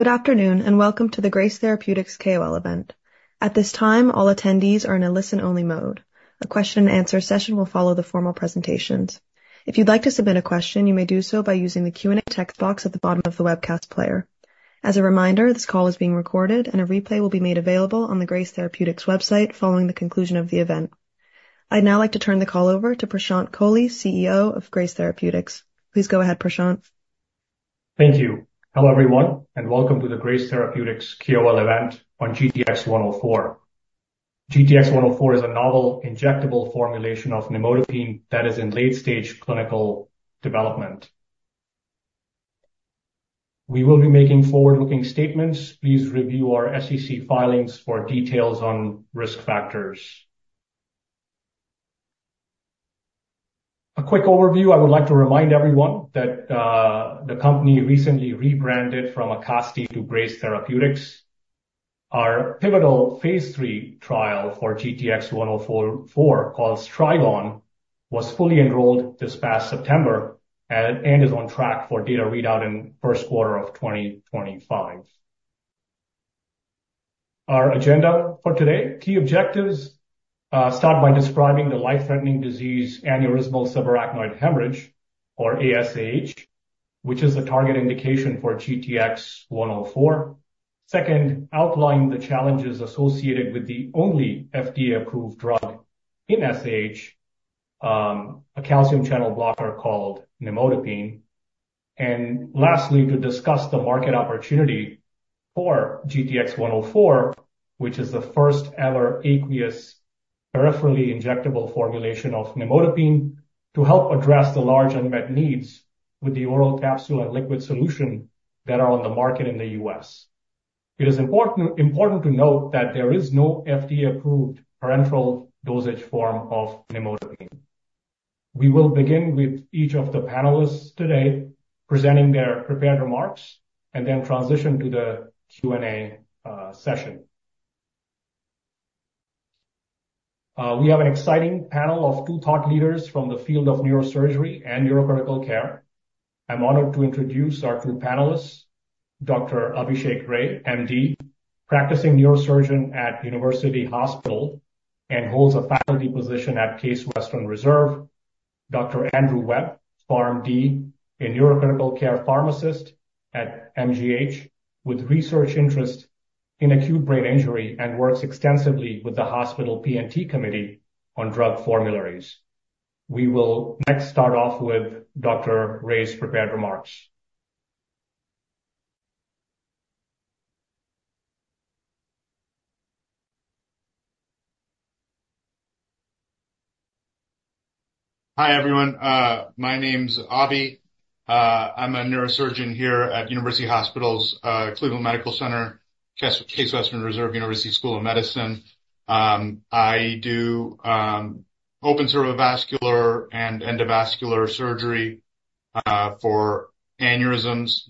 Good afternoon and welcome to the Grace Therapeutics KOL event. At this time, all attendees are in a listen-only mode. A question-and-answer session will follow the formal presentations. If you'd like to submit a question, you may do so by using the Q&A text box at the bottom of the webcast player. As a reminder, this call is being recorded, and a replay will be made available on the Grace Therapeutics website following the conclusion of the event. I'd now like to turn the call over to Prashant Kohli, CEO of Grace Therapeutics. Please go ahead, Prashant. Thank you. Hello everyone, and welcome to the Grace Therapeutics KOL event on GTx-104. GTx-104 is a novel injectable formulation of nimodipine that is in late-stage clinical development. We will be making forward-looking statements. Please review our SEC filings for details on risk factors. A quick overview: I would like to remind everyone that the company recently rebranded from Acasti to Grace Therapeutics. Our pivotal Phase III trial for GTx-104, called STRIVE-ON, was fully enrolled this past September and is on track for data readout in the first quarter of 2025. Our agenda for today: key objectives. Start by describing the life-threatening disease aneurysmal subarachnoid hemorrhage, or aSAH, which is the target indication for GTx-104. Second, outline the challenges associated with the only FDA-approved drug in aSAH, a calcium channel blocker called nimodipine. Lastly, to discuss the market opportunity for GTx-104, which is the first-ever aqueous peripherally injectable formulation of nimodipine, to help address the large unmet needs with the oral capsule and liquid solution that are on the market in the U.S. It is important to note that there is no FDA-approved parenteral dosage form of nimodipine. We will begin with each of the panelists today presenting their prepared remarks and then transition to the Q&A session. We have an exciting panel of two thought leaders from the field of neurosurgery and neurocritical care. I'm honored to introduce our two panelists: Dr. Abhishek Ray, M.D., practicing neurosurgeon at University Hospitals and holds a faculty position at Case Western Reserve; Dr. Andrew Webb, Ph.D. in neurocritical care, pharmacist at MGH with research interest in acute brain injury and works extensively with the hospital P&T Committee on drug formularies. We will next start off with Dr. Ray's prepared remarks. Hi everyone. My name's Abhi. I'm a neurosurgeon here at University Hospitals Cleveland Medical Center, Case Western Reserve University School of Medicine. I do open cerebrovascular and endovascular surgery for aneurysms.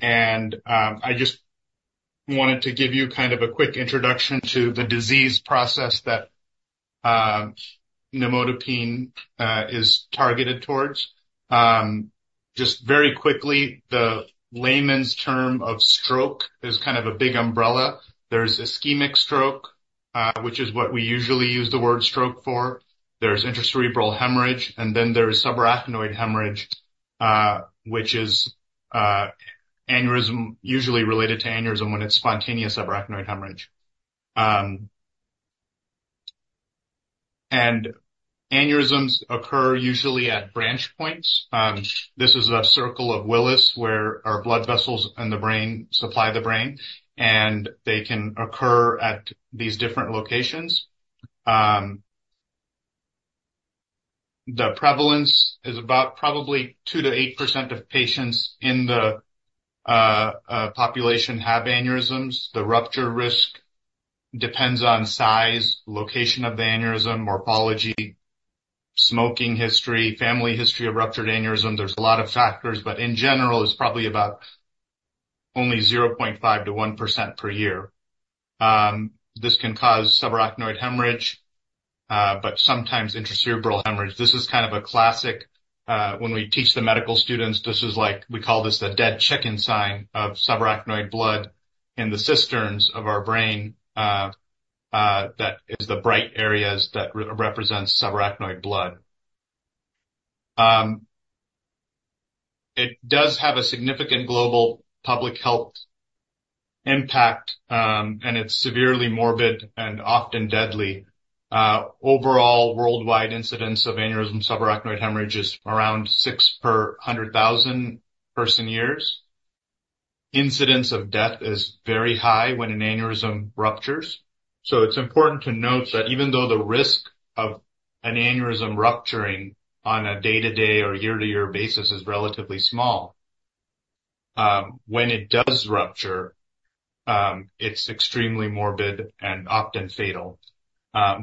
And I just wanted to give you kind of a quick introduction to the disease process that nimodipine is targeted towards. Just very quickly, the layman's term of stroke is kind of a big umbrella. There's ischemic stroke, which is what we usually use the word stroke for. There's intracerebral hemorrhage, and then there is subarachnoid hemorrhage, which is usually related to aneurysm when it's spontaneous subarachnoid hemorrhage. And aneurysms occur usually at branch points. This is a Circle of Willis where our blood vessels and the brain supply the brain, and they can occur at these different locations. The prevalence is about probably 2-8% of patients in the population have aneurysms. The rupture risk depends on size, location of the aneurysm, morphology, smoking history, family history of ruptured aneurysm. There's a lot of factors, but in general, it's probably about only 0.5%-1% per year. This can cause subarachnoid hemorrhage, but sometimes intracerebral hemorrhage. This is kind of a classic when we teach the medical students. This is like we call this the dead chicken sign of subarachnoid blood in the cisterns of our brain. That is the bright areas that represent subarachnoid blood. It does have a significant global public health impact, and it's severely morbid and often deadly. Overall, worldwide incidence of aneurysmal subarachnoid hemorrhage is around 6 per 100,000 person-years. Incidence of death is very high when an aneurysm ruptures. So it's important to note that even though the risk of an aneurysm rupturing on a day-to-day or year-to-year basis is relatively small, when it does rupture, it's extremely morbid and often fatal.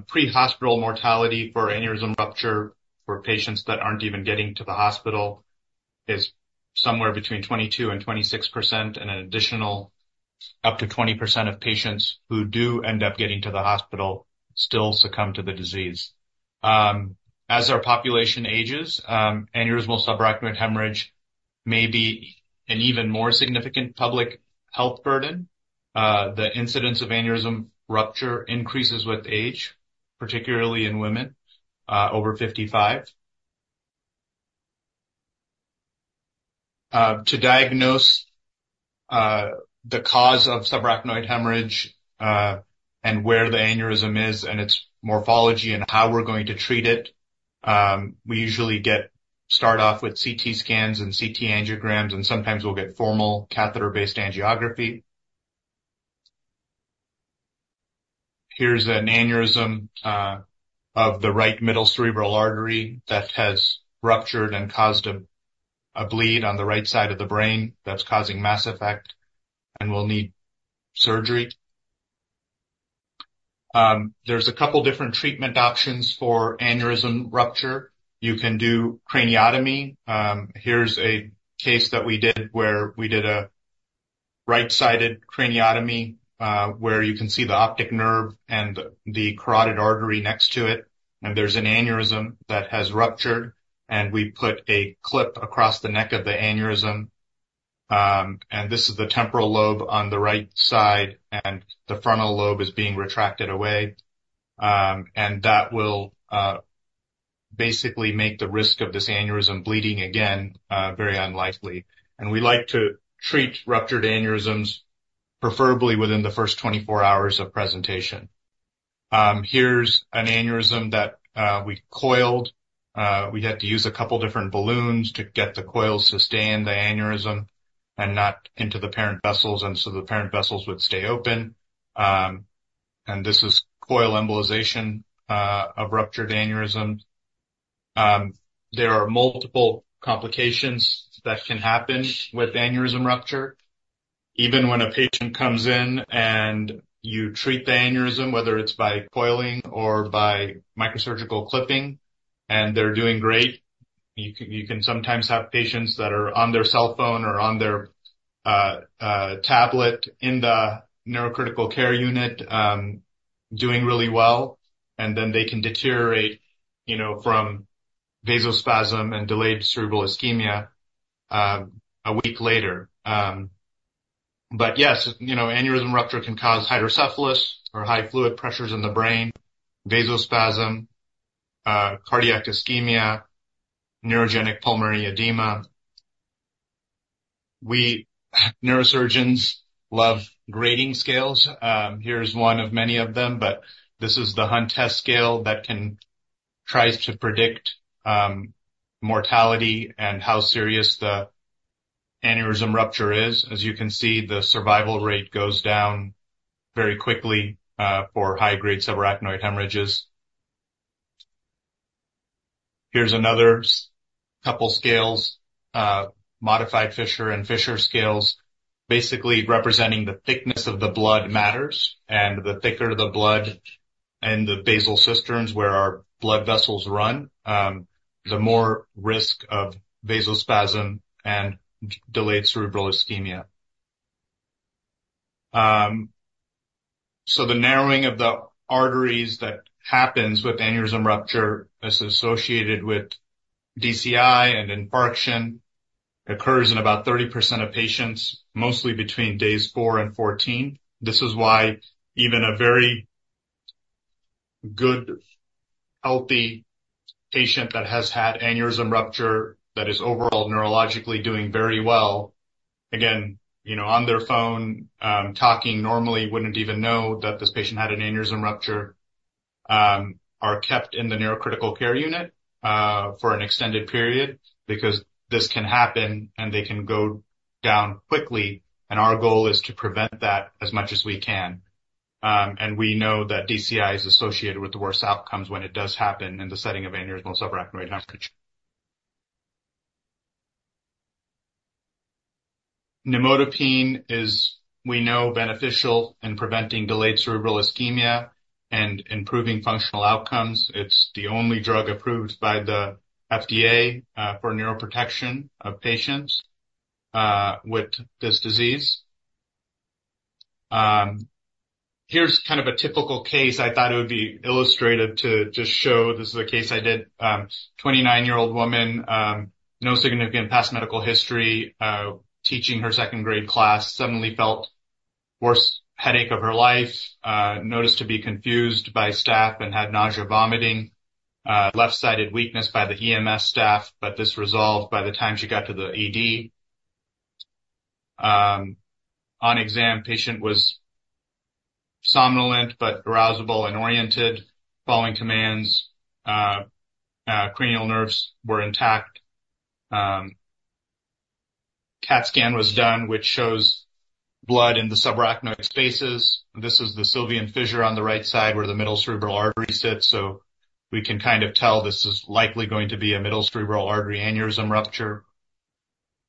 Pre-hospital mortality for aneurysm rupture for patients that aren't even getting to the hospital is somewhere between 22%-26%, and an additional up to 20% of patients who do end up getting to the hospital still succumb to the disease. As our population ages, aneurysmal subarachnoid hemorrhage may be an even more significant public health burden. The incidence of aneurysm rupture increases with age, particularly in women over 55. To diagnose the cause of subarachnoid hemorrhage and where the aneurysm is and its morphology and how we're going to treat it, we usually start off with CT scans and CT angiograms, and sometimes we'll get formal catheter-based angiography. Here's an aneurysm of the right middle cerebral artery that has ruptured and caused a bleed on the right side of the brain that's causing mass effect and will need surgery. There's a couple of different treatment options for aneurysm rupture. You can do craniotomy. Here's a case that we did where we did a right-sided craniotomy where you can see the optic nerve and the carotid artery next to it, and there's an aneurysm that has ruptured, and we put a clip across the neck of the aneurysm, and this is the temporal lobe on the right side, and the frontal lobe is being retracted away, and that will basically make the risk of this aneurysm bleeding again very unlikely, and we like to treat ruptured aneurysms preferably within the first 24 hours of presentation. Here's an aneurysm that we coiled. We had to use a couple of different balloons to get the coil to stay in the aneurysm and not into the parent vessels so the parent vessels would stay open, and this is coil embolization of ruptured aneurysms. There are multiple complications that can happen with aneurysm rupture. Even when a patient comes in and you treat the aneurysm, whether it's by coiling or by microsurgical clipping, and they're doing great, you can sometimes have patients that are on their cell phone or on their tablet in the neurocritical care unit doing really well, and then they can deteriorate from vasospasm and delayed cerebral ischemia a week later, but yes, aneurysm rupture can cause hydrocephalus or high fluid pressures in the brain, vasospasm, cardiac ischemia, neurogenic pulmonary edema. We neurosurgeons love grading scales. Here's one of many of them, but this is the Hunt and Hess scale that tries to predict mortality and how serious the aneurysm rupture is. As you can see, the survival rate goes down very quickly for high-grade subarachnoid hemorrhages. Here's another couple of scales, modified Fisher and Fisher scales, basically representing the thickness of the blood matters, and the thicker the blood and the basal cisterns where our blood vessels run, the more risk of vasospasm and delayed cerebral ischemia, so the narrowing of the arteries that happens with aneurysm rupture is associated with DCI and infarction. It occurs in about 30% of patients, mostly between days 4 and 14. This is why even a very good, healthy patient that has had aneurysm rupture that is overall neurologically doing very well, again, on their phone, talking normally, wouldn't even know that this patient had an aneurysm rupture, are kept in the neurocritical care unit for an extended period because this can happen and they can go down quickly, and our goal is to prevent that as much as we can, and we know that DCI is associated with the worst outcomes when it does happen in the setting of aneurysmal subarachnoid hemorrhage. Nimodipine is, we know, beneficial in preventing delayed cerebral ischemia and improving functional outcomes. It's the only drug approved by the FDA for neuroprotection of patients with this disease. Here's kind of a typical case. I thought it would be illustrative to just show this is a case I did. 29-year-old woman, no significant past medical history, teaching her second-grade class, suddenly felt the worst headache of her life, noticed to be confused by staff and had nausea and vomiting, left-sided weakness by the EMS staff, but this resolved by the time she got to the ED. On exam, the patient was somnolent but arousable and oriented, following commands. Cranial nerves were intact. CT scan was done, which shows blood in the subarachnoid spaces. This is the Sylvian fissure on the right side where the middle cerebral artery sits, so we can kind of tell this is likely going to be a middle cerebral artery aneurysm rupture.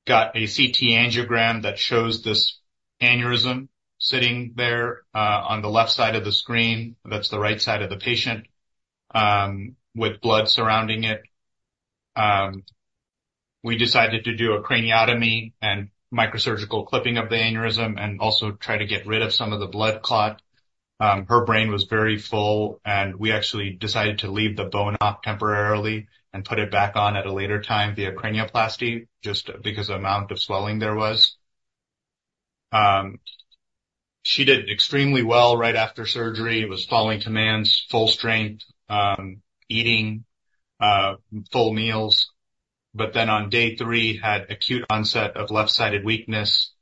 Got a CT angiogram that shows this aneurysm sitting there on the left side of the screen. That's the right side of the patient with blood surrounding it. We decided to do a craniotomy and microsurgical clipping of the aneurysm and also try to get rid of some of the blood clot. Her brain was very full, and we actually decided to leave the bone off temporarily and put it back on at a later time via cranioplasty just because of the amount of swelling there was. She did extremely well right after surgery. It was following commands, full strength, eating full meals. But then on day three, had acute onset of left-sided weakness.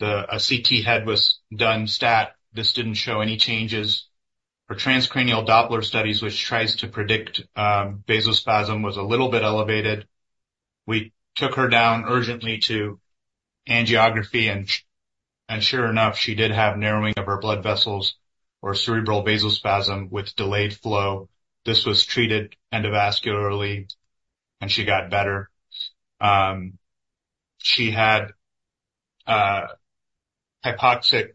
A CT head was done stat. This didn't show any changes. Her transcranial Doppler studies, which tries to predict vasospasm, was a little bit elevated. We took her down urgently to angiography, and sure enough, she did have narrowing of her blood vessels or cerebral vasospasm with delayed flow. This was treated endovascularly, and she got better. She had hypoxic.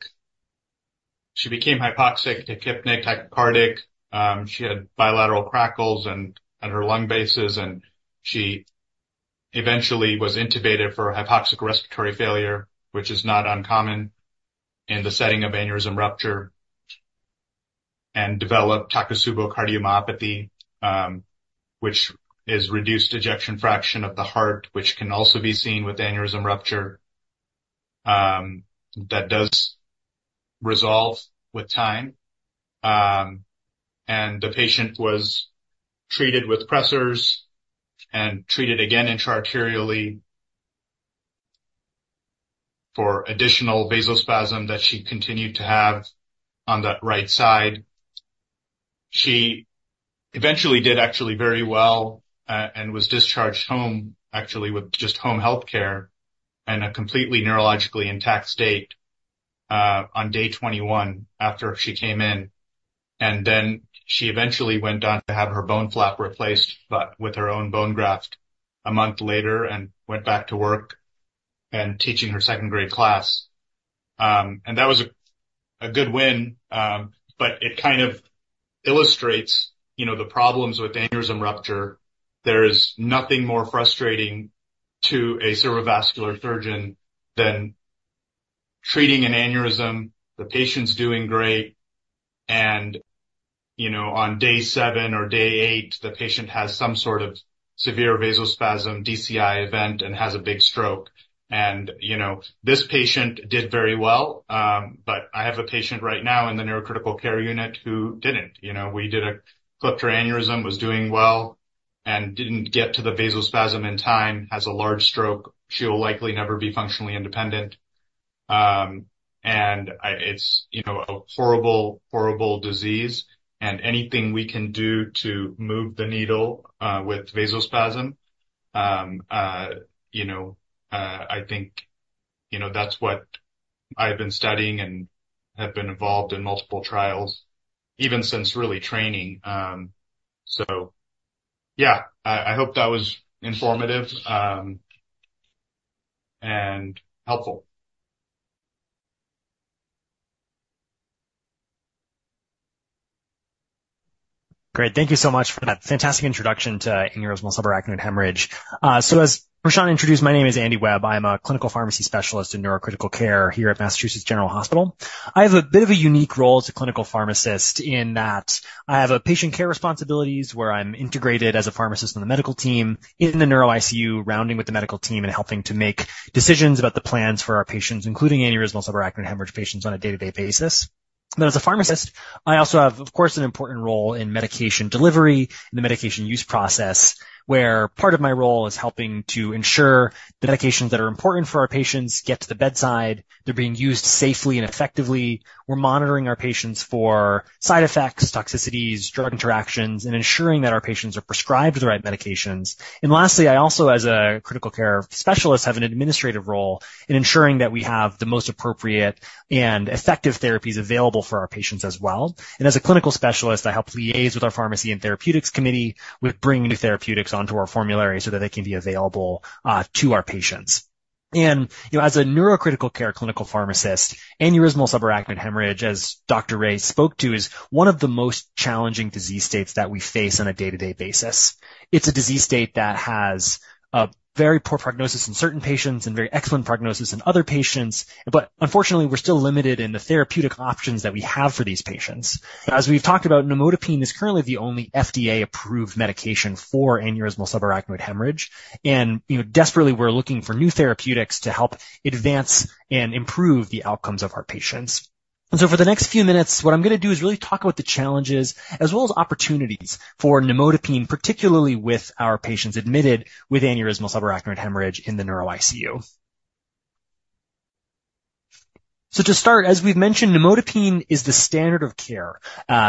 She became hypoxic, tachypneic, tachycardic. She had bilateral crackles in her lung bases, and she eventually was intubated for hypoxic respiratory failure, which is not uncommon in the setting of aneurysm rupture, and developed Takotsubo cardiomyopathy, which is reduced ejection fraction of the heart, which can also be seen with aneurysm rupture that does resolve with time, and the patient was treated with pressors and treated again intra-arterially for additional vasospasm that she continued to have on that right side. She eventually did actually very well and was discharged home, actually with just home healthcare and a completely neurologically intact state on day 21 after she came in, and then she eventually went on to have her bone flap replaced, but with her own bone graft a month later and went back to work and teaching her second-grade class. That was a good win, but it kind of illustrates the problems with aneurysm rupture. There is nothing more frustrating to a cerebrovascular surgeon than treating an aneurysm, the patient's doing great, and on day seven or day eight, the patient has some sort of severe vasospasm, DCI event, and has a big stroke. And this patient did very well, but I have a patient right now in the neurocritical care unit who didn't. We did a clip to her aneurysm, was doing well, and didn't get to the vasospasm in time, has a large stroke. She will likely never be functionally independent. And it's a horrible, horrible disease. And anything we can do to move the needle with vasospasm, I think that's what I've been studying and have been involved in multiple trials even since really training. So yeah, I hope that was informative and helpful. Great. Thank you so much for that fantastic introduction to aneurysmal subarachnoid hemorrhage. So as Prashant introduced, my name is Andy Webb. I'm a clinical pharmacy specialist in neurocritical care here at Massachusetts General Hospital. I have a bit of a unique role as a clinical pharmacist in that I have patient care responsibilities where I'm integrated as a pharmacist on the medical team in the Neuro-ICU, rounding with the medical team and helping to make decisions about the plans for our patients, including aneurysmal subarachnoid hemorrhage patients on a day-to-day basis. But as a pharmacist, I also have, of course, an important role in medication delivery and the medication use process where part of my role is helping to ensure the medications that are important for our patients get to the bedside, they're being used safely and effectively. We're monitoring our patients for side effects, toxicities, drug interactions, and ensuring that our patients are prescribed the right medications. And lastly, I also, as a critical care specialist, have an administrative role in ensuring that we have the most appropriate and effective therapies available for our patients as well. And as a clinical specialist, I help liaise with our Pharmacy and Therapeutics Committee with bringing new therapeutics onto our formulary so that they can be available to our patients. And as a neurocritical care clinical pharmacist, aneurysmal subarachnoid hemorrhage, as Dr. Ray spoke to, is one of the most challenging disease states that we face on a day-to-day basis. It's a disease state that has a very poor prognosis in certain patients and very excellent prognosis in other patients. But unfortunately, we're still limited in the therapeutic options that we have for these patients. As we've talked about, nimodipine is currently the only FDA-approved medication for aneurysmal subarachnoid hemorrhage, and desperately, we're looking for new therapeutics to help advance and improve the outcomes of our patients, and so for the next few minutes, what I'm going to do is really talk about the challenges as well as opportunities for nimodipine, particularly with our patients admitted with aneurysmal subarachnoid hemorrhage in the Neuro-ICU, so to start, as we've mentioned, nimodipine is the standard of care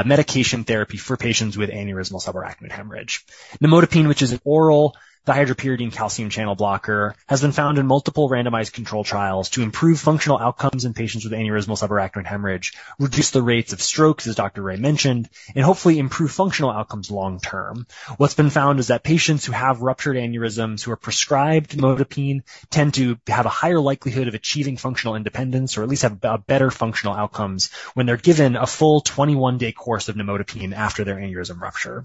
medication therapy for patients with aneurysmal subarachnoid hemorrhage. Nimodipine, which is an oral dihydropyridine calcium channel blocker, has been found in multiple randomized controlled trials to improve functional outcomes in patients with aneurysmal subarachnoid hemorrhage, reduce the rates of strokes, as Dr. Ray mentioned, and hopefully improve functional outcomes long term. What's been found is that patients who have ruptured aneurysms who are prescribed nimodipine tend to have a higher likelihood of achieving functional independence or at least have better functional outcomes when they're given a full 21-day course of nimodipine after their aneurysm rupture.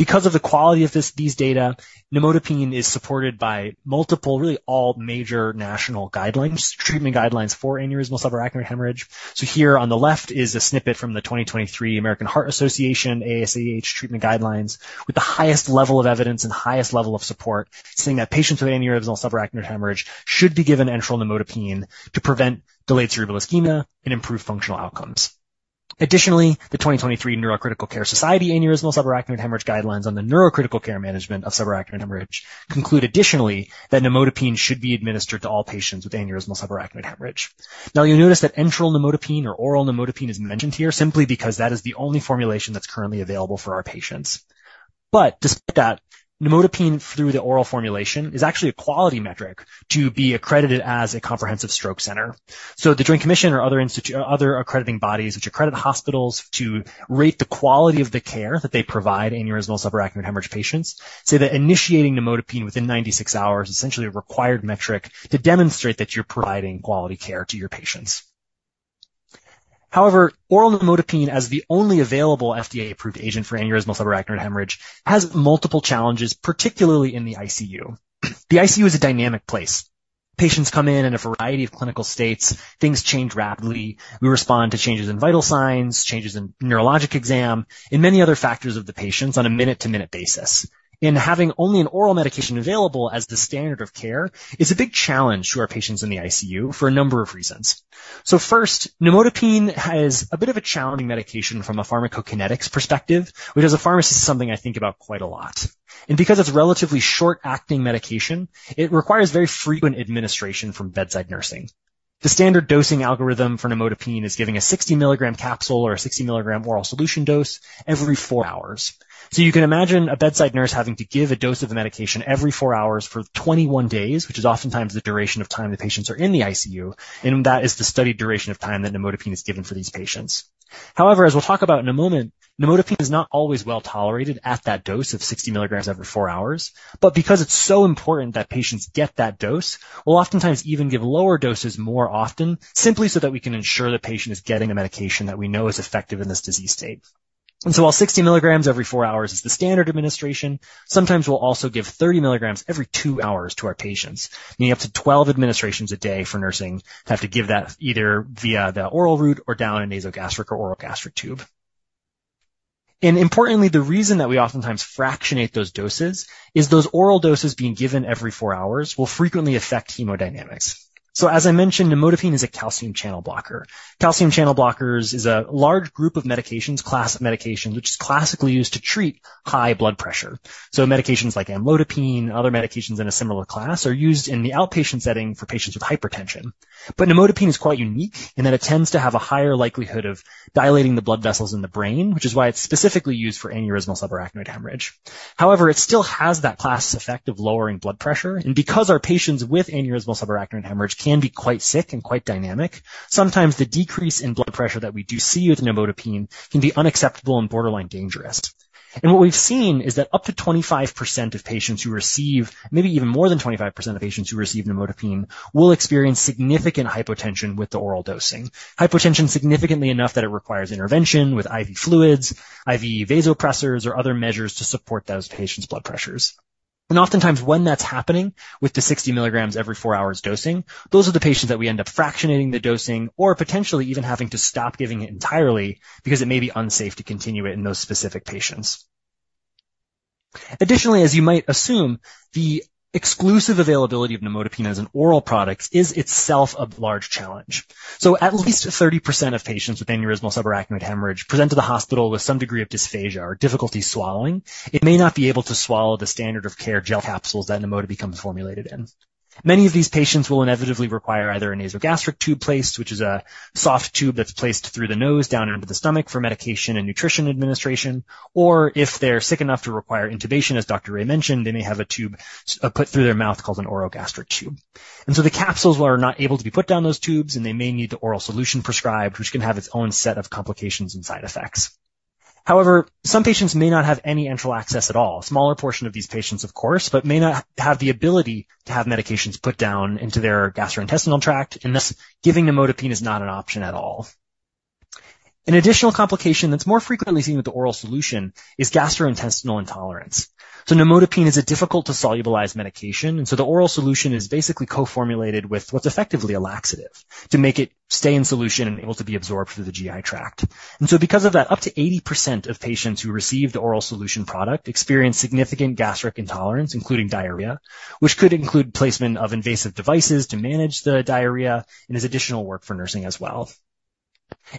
Because of the quality of these data, nimodipine is supported by multiple, really all major national treatment guidelines for aneurysmal subarachnoid hemorrhage. So here on the left is a snippet from the 2023 American Heart Association aSAH treatment guidelines with the highest level of evidence and highest level of support, saying that patients with aneurysmal subarachnoid hemorrhage should be given enteral nimodipine to prevent delayed cerebral ischemia and improve functional outcomes. Additionally, the 2023 Neurocritical Care Society aneurysmal subarachnoid hemorrhage guidelines on the neurocritical care management of subarachnoid hemorrhage conclude additionally that nimodipine should be administered to all patients with aneurysmal subarachnoid hemorrhage. Now, you'll notice that enteral nimodipine or oral nimodipine is mentioned here simply because that is the only formulation that's currently available for our patients. But despite that, nimodipine through the oral formulation is actually a quality metric to be accredited as a Comprehensive Stroke Center. So the Joint Commission or other accrediting bodies which accredit hospitals to rate the quality of the care that they provide aneurysmal subarachnoid hemorrhage patients say that initiating nimodipine within 96 hours is essentially a required metric to demonstrate that you're providing quality care to your patients. However, oral nimodipine as the only available FDA-approved agent for aneurysmal subarachnoid hemorrhage has multiple challenges, particularly in the ICU. The ICU is a dynamic place. Patients come in in a variety of clinical states. Things change rapidly. We respond to changes in vital signs, changes in neurologic exam, and many other factors of the patients on a minute-to-minute basis. And having only an oral medication available as the standard of care is a big challenge to our patients in the ICU for a number of reasons. So first, nimodipine is a bit of a challenging medication from a pharmacokinetics perspective, which as a pharmacist is something I think about quite a lot. And because it's a relatively short-acting medication, it requires very frequent administration from bedside nursing. The standard dosing algorithm for nimodipine is giving a 60-milligram capsule or a 60-milligram oral solution dose every four hours. So you can imagine a bedside nurse having to give a dose of the medication every four hours for 21 days, which is oftentimes the duration of time the patients are in the ICU, and that is the studied duration of time that nimodipine is given for these patients. However, as we'll talk about in a moment, nimodipine is not always well tolerated at that dose of 60 milligrams every four hours. But because it's so important that patients get that dose, we'll oftentimes even give lower doses more often simply so that we can ensure the patient is getting the medication that we know is effective in this disease state. And so while 60 milligrams every four hours is the standard administration, sometimes we'll also give 30 milligrams every two hours to our patients, meaning up to 12 administrations a day for nursing to have to give that either via the oral route or down a nasogastric or orogastric tube. And importantly, the reason that we oftentimes fractionate those doses is those oral doses being given every four hours will frequently affect hemodynamics. So as I mentioned, nimodipine is a calcium channel blocker. Calcium channel blockers is a large group of medications, class of medications, which is classically used to treat high blood pressure. So medications like amlodipine and other medications in a similar class are used in the outpatient setting for patients with hypertension. But nimodipine is quite unique in that it tends to have a higher likelihood of dilating the blood vessels in the brain, which is why it's specifically used for aneurysmal subarachnoid hemorrhage. However, it still has that class effect of lowering blood pressure. And because our patients with aneurysmal subarachnoid hemorrhage can be quite sick and quite dynamic, sometimes the decrease in blood pressure that we do see with nimodipine can be unacceptable and borderline dangerous. And what we've seen is that up to 25% of patients who receive, maybe even more than 25% of patients who receive nimodipine, will experience significant hypotension with the oral dosing. Hypotension significantly enough that it requires intervention with IV fluids, IV vasopressors, or other measures to support those patients' blood pressures. Oftentimes when that's happening with the 60 milligrams every four hours dosing, those are the patients that we end up fractionating the dosing or potentially even having to stop giving it entirely because it may be unsafe to continue it in those specific patients. Additionally, as you might assume, the exclusive availability of nimodipine as an oral product is itself a large challenge. At least 30% of patients with aneurysmal subarachnoid hemorrhage present to the hospital with some degree of dysphagia or difficulty swallowing; it may not be able to swallow the standard of care gel capsules that nimodipine comes formulated in. Many of these patients will inevitably require either a nasogastric tube placed, which is a soft tube that's placed through the nose down into the stomach for medication and nutrition administration, or if they're sick enough to require intubation, as Dr. Ray mentioned, they may have a tube put through their mouth called an orogastric tube, and so the capsules are not able to be put down those tubes, and they may need the oral solution prescribed, which can have its own set of complications and side effects. However, some patients may not have any enteral access at all, a smaller portion of these patients, of course, but may not have the ability to have medications put down into their gastrointestinal tract, and thus giving nimodipine is not an option at all. An additional complication that's more frequently seen with the oral solution is gastrointestinal intolerance, so nimodipine is a difficult-to-solubilize medication, and so the oral solution is basically co-formulated with what's effectively a laxative to make it stay in solution and able to be absorbed through the GI tract. And so because of that, up to 80% of patients who receive the oral solution product experience significant gastric intolerance, including diarrhea, which could include placement of invasive devices to manage the diarrhea and is additional work for nursing as well.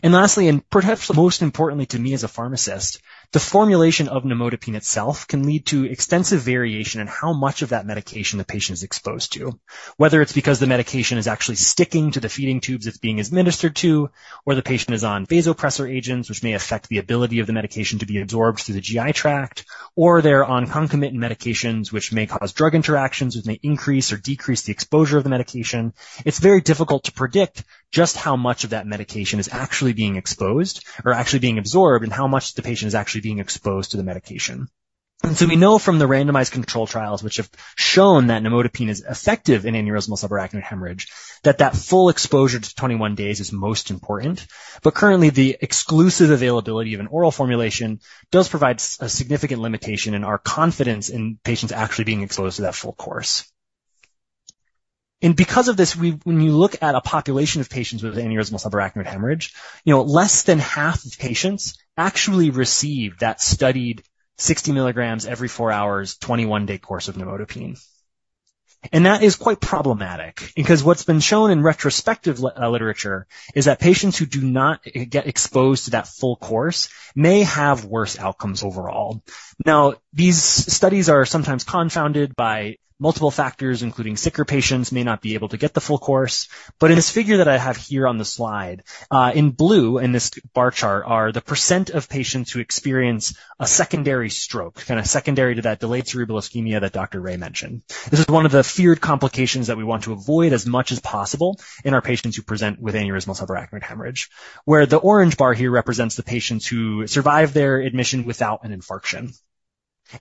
And lastly, and perhaps most importantly to me as a pharmacist, the formulation of nimodipine itself can lead to extensive variation in how much of that medication the patient is exposed to, whether it's because the medication is actually sticking to the feeding tubes it's being administered to, or the patient is on vasopressor agents, which may affect the ability of the medication to be absorbed through the GI tract, or they're on concomitant medications, which may cause drug interactions that may increase or decrease the exposure of the medication. It's very difficult to predict just how much of that medication is actually being exposed or actually being absorbed and how much the patient is actually being exposed to the medication. And so we know from the randomized controlled trials, which have shown that nimodipine is effective in aneurysmal subarachnoid hemorrhage, that that full exposure to 21 days is most important. But currently, the exclusive availability of an oral formulation does provide a significant limitation in our confidence in patients actually being exposed to that full course. And because of this, when you look at a population of patients with aneurysmal subarachnoid hemorrhage, less than half of patients actually receive that studied 60 milligrams every four hours, 21-day course of nimodipine. And that is quite problematic because what's been shown in retrospective literature is that patients who do not get exposed to that full course may have worse outcomes overall. Now, these studies are sometimes confounded by multiple factors, including sicker patients may not be able to get the full course, but in this figure that I have here on the slide, in blue in this bar chart, are the % of patients who experience a secondary stroke, kind of secondary to that delayed cerebral ischemia that Dr. Ray mentioned. This is one of the feared complications that we want to avoid as much as possible in our patients who present with aneurysmal subarachnoid hemorrhage, where the orange bar here represents the patients who survive their admission without an infarction,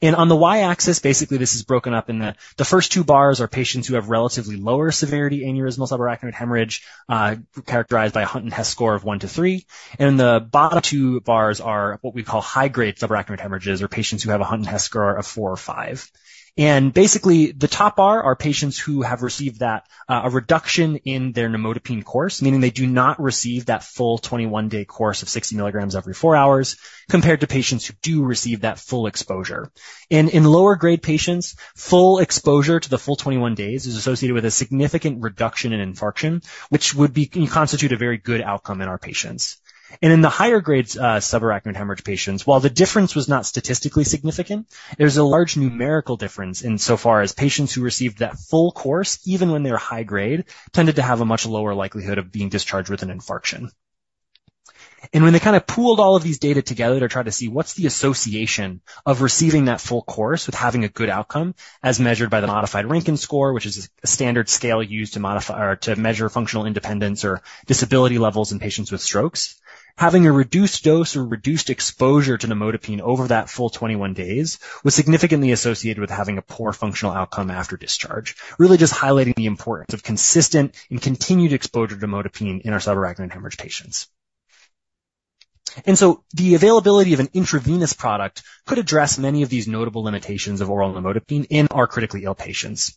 and on the Y-axis, basically, this is broken up in the first two bars are patients who have relatively lower severity aneurysmal subarachnoid hemorrhage characterized by a Hunt and Hess score of one to three. And the bottom two bars are what we call high-grade subarachnoid hemorrhages or patients who have a Hunt and Hess score of four or five. And basically, the top bar are patients who have received a reduction in their nimodipine course, meaning they do not receive that full 21-day course of 60 milligrams every four hours compared to patients who do receive that full exposure. And in lower-grade patients, full exposure to the full 21 days is associated with a significant reduction in infarction, which would constitute a very good outcome in our patients. And in the higher-grade subarachnoid hemorrhage patients, while the difference was not statistically significant, there's a large numerical difference in so far as patients who received that full course, even when they were high-grade, tended to have a much lower likelihood of being discharged with an infarction. When they kind of pooled all of these data together to try to see what's the association of receiving that full course with having a good outcome as measured by the modified Rankin score, which is a standard scale used to measure functional independence or disability levels in patients with strokes, having a reduced dose or reduced exposure to nimodipine over that full 21 days was significantly associated with having a poor functional outcome after discharge, really just highlighting the importance of consistent and continued exposure to nimodipine in our subarachnoid hemorrhage patients. The availability of an intravenous product could address many of these notable limitations of oral nimodipine in our critically ill patients.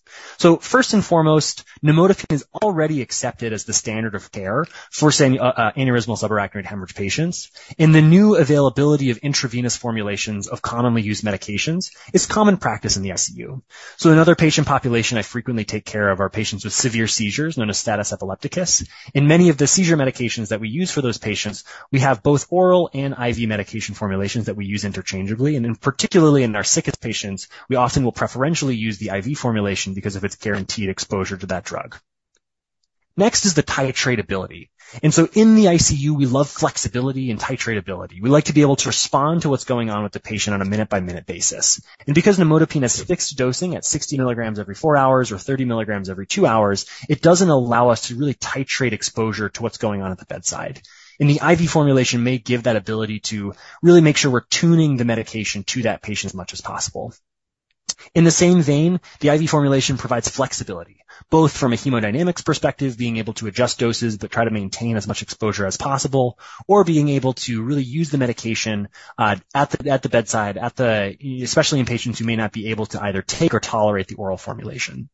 First and foremost, nimodipine is already accepted as the standard of care for aneurysmal subarachnoid hemorrhage patients. The new availability of intravenous formulations of commonly used medications is common practice in the ICU. So in other patient populations, I frequently take care of our patients with severe seizures known as status epilepticus. And many of the seizure medications that we use for those patients, we have both oral and IV medication formulations that we use interchangeably. And particularly in our sickest patients, we often will preferentially use the IV formulation because of its guaranteed exposure to that drug. Next is the titratability. And so in the ICU, we love flexibility and titratability. We like to be able to respond to what's going on with the patient on a minute-by-minute basis. And because nimodipine has fixed dosing at 60 milligrams every four hours or 30 milligrams every two hours, it doesn't allow us to really titrate exposure to what's going on at the bedside. And the IV formulation may give that ability to really make sure we're tuning the medication to that patient as much as possible. In the same vein, the IV formulation provides flexibility, both from a hemodynamics perspective, being able to adjust doses but try to maintain as much exposure as possible, or being able to really use the medication at the bedside, especially in patients who may not be able to either take or tolerate the oral formulation.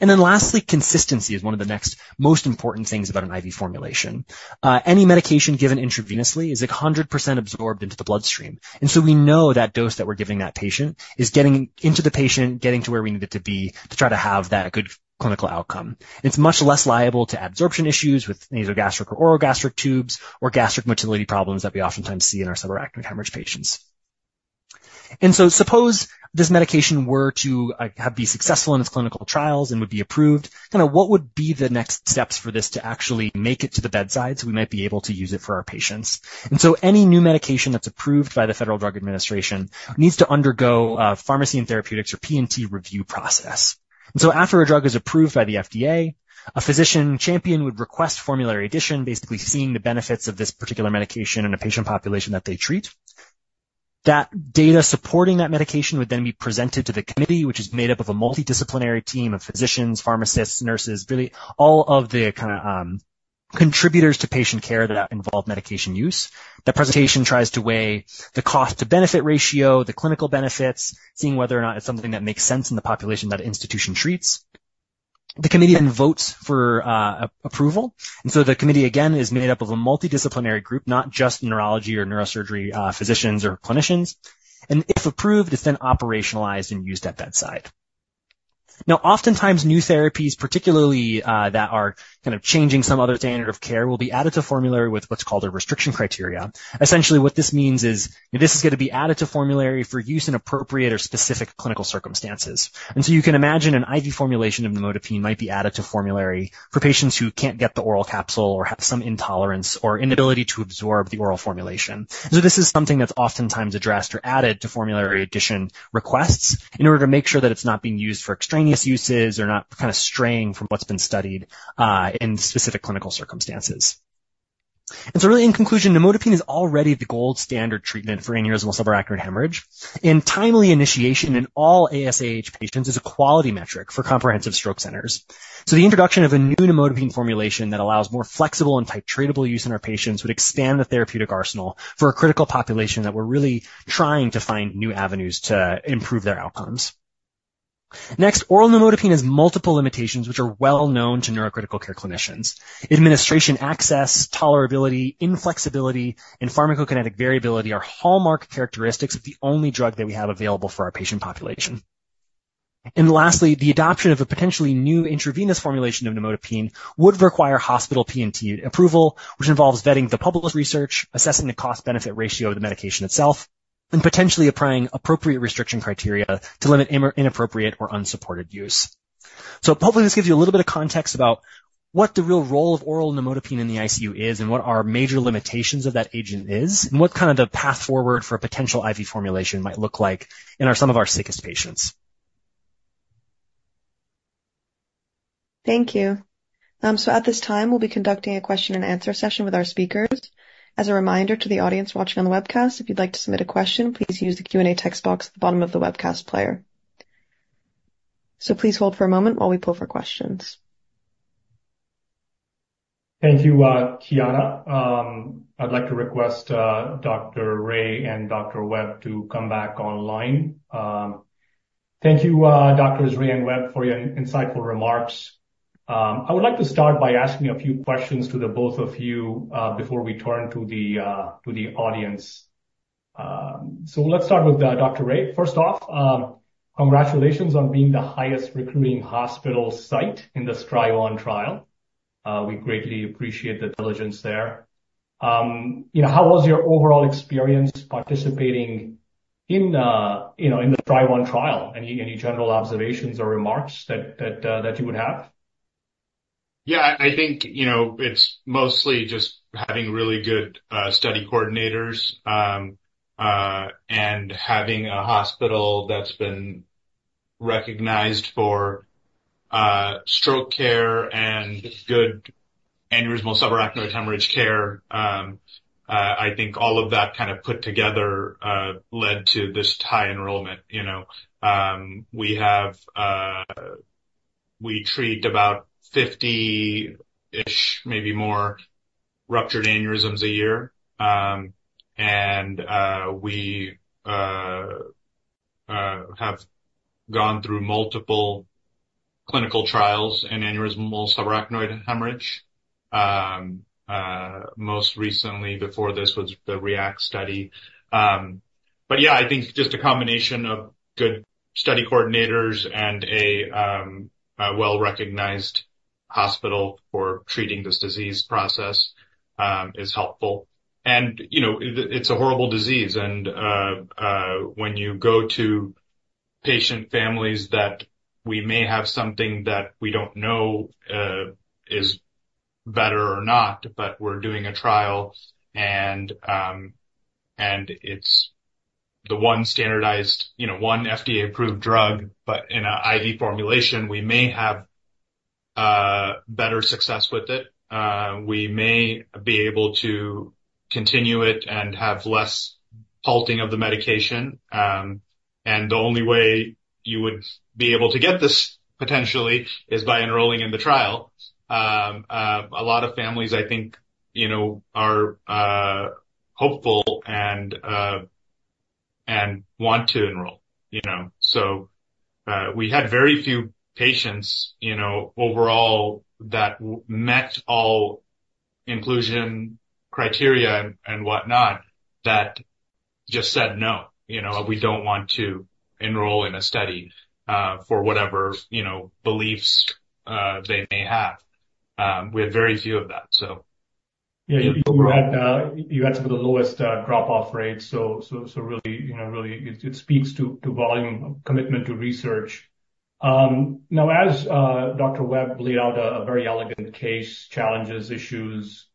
And then lastly, consistency is one of the next most important things about an IV formulation. Any medication given intravenously is 100% absorbed into the bloodstream. And so we know that dose that we're giving that patient is getting into the patient, getting to where we need it to be to try to have that good clinical outcome. It's much less liable to absorption issues with nasogastric or orogastric tubes or gastric motility problems that we oftentimes see in our subarachnoid hemorrhage patients. And so suppose this medication were to be successful in its clinical trials and would be approved, kind of what would be the next steps for this to actually make it to the bedside so we might be able to use it for our patients? And so any new medication that's approved by the Food and Drug Administration needs to undergo a pharmacy and therapeutics or P&T review process. And so after a drug is approved by the FDA, a physician champion would request formulary addition, basically seeing the benefits of this particular medication in a patient population that they treat. That data supporting that medication would then be presented to the committee, which is made up of a multidisciplinary team of physicians, pharmacists, nurses, really all of the kind of contributors to patient care that involve medication use. That presentation tries to weigh the cost-to-benefit ratio, the clinical benefits, seeing whether or not it's something that makes sense in the population that institution treats. The committee then votes for approval, and so the committee, again, is made up of a multidisciplinary group, not just neurology or neurosurgery physicians or clinicians, and if approved, it's then operationalized and used at bedside. Now, oftentimes, new therapies, particularly that are kind of changing some other standard of care, will be added to formulary with what's called a restriction criteria. Essentially, what this means is this is going to be added to formulary for use in appropriate or specific clinical circumstances. And so you can imagine an IV formulation of nimodipine might be added to formulary for patients who can't get the oral capsule or have some intolerance or inability to absorb the oral formulation. And so this is something that's oftentimes addressed or added to formulary addition requests in order to make sure that it's not being used for extraneous uses or not kind of straying from what's been studied in specific clinical circumstances. And so really, in conclusion, nimodipine is already the gold standard treatment for aneurysmal subarachnoid hemorrhage. And timely initiation in all aSAH patients is a quality metric for Comprehensive Stroke Centers. So the introduction of a new nimodipine formulation that allows more flexible and titratable use in our patients would expand the therapeutic arsenal for a critical population that we're really trying to find new avenues to improve their outcomes. Next, oral nimodipine has multiple limitations, which are well known to neurocritical care clinicians. Administration access, tolerability, inflexibility, and pharmacokinetic variability are hallmark characteristics of the only drug that we have available for our patient population. And lastly, the adoption of a potentially new intravenous formulation of nimodipine would require hospital P&T approval, which involves vetting the published research, assessing the cost-benefit ratio of the medication itself, and potentially applying appropriate restriction criteria to limit inappropriate or unsupported use. So hopefully, this gives you a little bit of context about what the real role of oral nimodipine in the ICU is and what our major limitations of that agent is and what kind of the path forward for a potential IV formulation might look like in some of our sickest patients. Thank you. So at this time, we'll be conducting a question-and-answer session with our speakers. As a reminder to the audience watching on the webcast, if you'd like to submit a question, please use the Q&A text box at the bottom of the webcast player. So please hold for a moment while we pull for questions. Thank you, Tiana. I'd like to request Dr. Ray and Dr. Webb to come back online. Thank you, Doctors Ray and Webb, for your insightful remarks. I would like to start by asking a few questions to the both of you before we turn to the audience. So let's start with Dr. Ray. First off, congratulations on being the highest recruiting hospital site in the STRIVE-ON trial. We greatly appreciate the diligence there. How was your overall experience participating in the STRIVE-ON trial? Any general observations or remarks that you would have? Yeah, I think it's mostly just having really good study coordinators and having a hospital that's been recognized for stroke care and good aneurysmal subarachnoid hemorrhage care. I think all of that kind of put together led to this high enrollment. We treat about 50-ish, maybe more, ruptured aneurysms a year. And we have gone through multiple clinical trials in aneurysmal subarachnoid hemorrhage. Most recently, before this was the REACT study. But yeah, I think just a combination of good study coordinators and a well-recognized hospital for treating this disease process is helpful. And it's a horrible disease. And when you go to patient families that we may have something that we don't know is better or not, but we're doing a trial, and it's the one standardized, one FDA-approved drug, but in an IV formulation, we may have better success with it. We may be able to continue it and have less palatability of the medication, and the only way you would be able to get this potentially is by enrolling in the trial. A lot of families, I think, are hopeful and want to enroll, so we had very few patients overall that met all inclusion criteria and whatnot that just said, "No, we don't want to enroll in a study for whatever beliefs they may have." We had very few of that, so. Yeah, you had some of the lowest drop-off rates, so really, it speaks to volunteer commitment to research. Now, as Dr. Webb laid out, a very elegant case challenges issues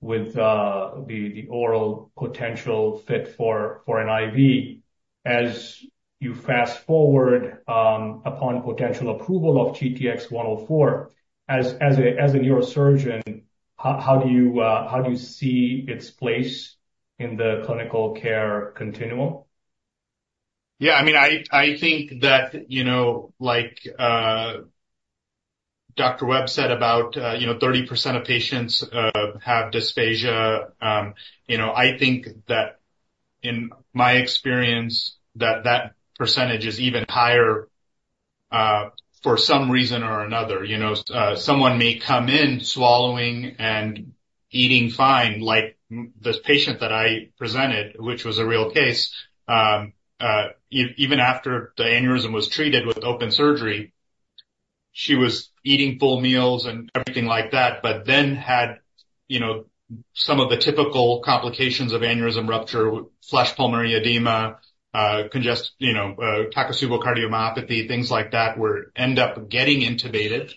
with the oral potential fit for an IV. As you fast forward upon potential approval of GTx-104, as a neurosurgeon, how do you see its place in the clinical care continuum? Yeah, I mean, I think that, like Dr. Webb said, about 30% of patients have dysphagia. I think that in my experience, that percentage is even higher for some reason or another. Someone may come in swallowing and eating fine, like this patient that I presented, which was a real case. Even after the aneurysm was treated with open surgery, she was eating full meals and everything like that, but then had some of the typical complications of aneurysm rupture, flash pulmonary edema, takotsubo cardiomyopathy, things like that, where it ended up getting intubated.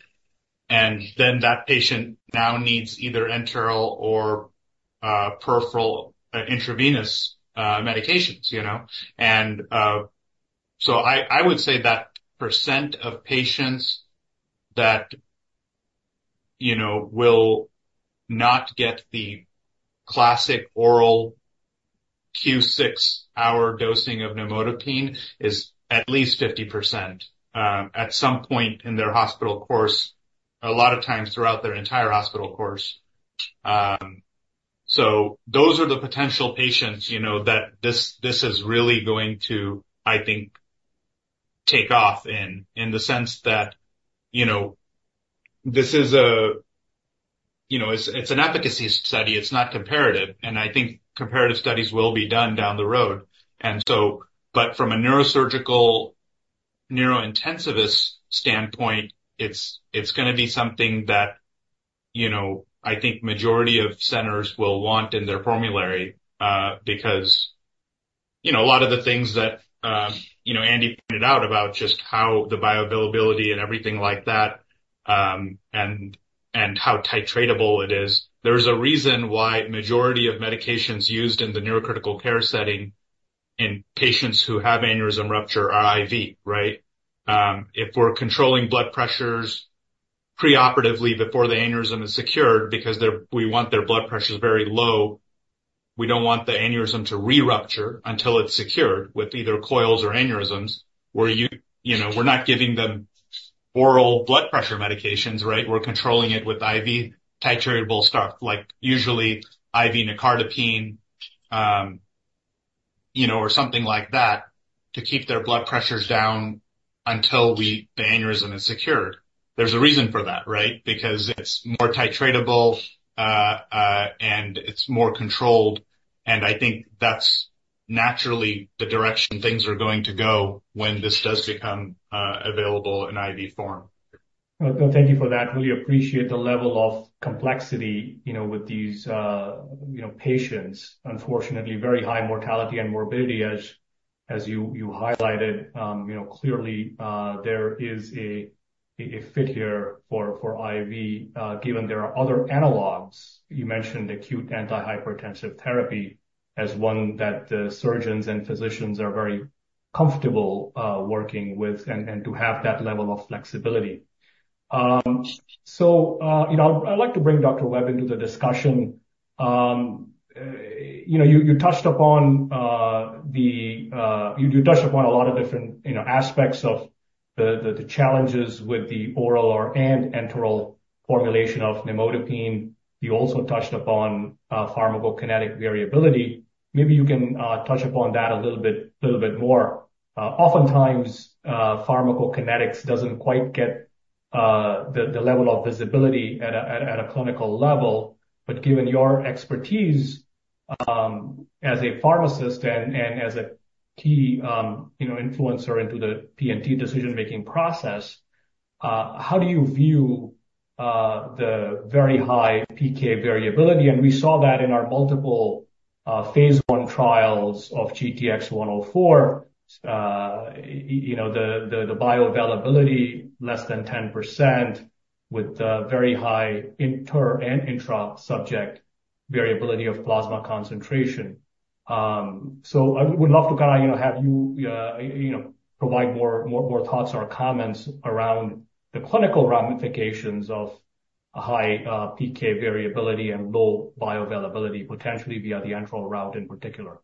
And then that patient now needs either enteral or peripheral intravenous medications. And so I would say that percent of patients that will not get the classic oral q6-hour dosing of nimodipine is at least 50% at some point in their hospital course, a lot of times throughout their entire hospital course. So those are the potential patients that this is really going to, I think, take off in the sense that this is a, it's an efficacy study. It's not comparative. And I think comparative studies will be done down the road. And so, but from a neurosurgical neurointensivist standpoint, it's going to be something that I think the majority of centers will want in their formulary because a lot of the things that Andy pointed out about just how the bioavailability and everything like that and how titratable it is, there's a reason why the majority of medications used in the neurocritical care setting in patients who have aneurysm rupture are IV, right? If we're controlling blood pressures preoperatively before the aneurysm is secured because we want their blood pressures very low, we don't want the aneurysm to re-rupture until it's secured with either coils or clips. We're not giving them oral blood pressure medications, right? We're controlling it with IV titratable stuff, like usually IV nicardipine or something like that to keep their blood pressures down until the aneurysm is secured. There's a reason for that, right? Because it's more titratable and it's more controlled. And I think that's naturally the direction things are going to go when this does become available in IV form. Thank you for that. Really appreciate the level of complexity with these patients. Unfortunately, very high mortality and morbidity, as you highlighted. Clearly, there is a fit here for IV, given there are other analogs. You mentioned acute antihypertensive therapy as one that the surgeons and physicians are very comfortable working with and to have that level of flexibility. So I'd like to bring Dr. Webb into the discussion. You touched upon a lot of different aspects of the challenges with the oral and enteral formulation of nimodipine. You also touched upon pharmacokinetic variability. Maybe you can touch upon that a little bit more. Oftentimes, pharmacokinetics doesn't quite get the level of visibility at a clinical level. But given your expertise as a pharmacist and as a key influencer into the P&T decision-making process, how do you view the very high PK variability? And we saw that in our multiple Phase I trials of GTx-104, the bioavailability less than 10% with very high inter- and intra-subject variability of plasma concentration. So I would love to kind of have you provide more thoughts or comments around the clinical ramifications of a high PK variability and low bioavailability, potentially via the enteral route in particular.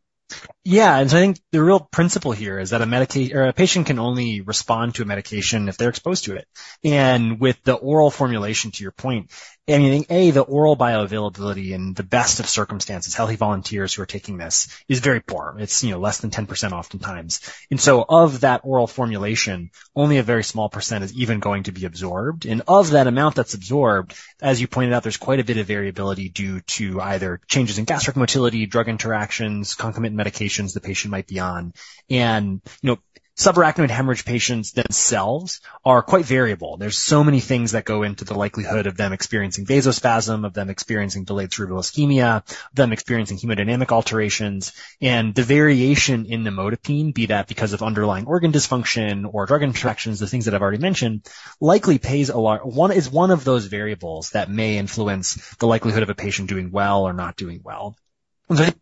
Yeah. And so I think the real principle here is that a patient can only respond to a medication if they're exposed to it. And with the oral formulation, to your point, I mean, A, the oral bioavailability in the best of circumstances, healthy volunteers who are taking this is very poor. It's less than 10% oftentimes. And so of that oral formulation, only a very small percent is even going to be absorbed. And of that amount that's absorbed, as you pointed out, there's quite a bit of variability due to either changes in gastric motility, drug interactions, concomitant medications the patient might be on. And subarachnoid hemorrhage patients themselves are quite variable. There's so many things that go into the likelihood of them experiencing vasospasm, of them experiencing delayed cerebral ischemia, of them experiencing hemodynamic alterations. And the variation in nimodipine, be that because of underlying organ dysfunction or drug interactions, the things that I've already mentioned, likely plays a role, is one of those variables that may influence the likelihood of a patient doing well or not doing well. And so I think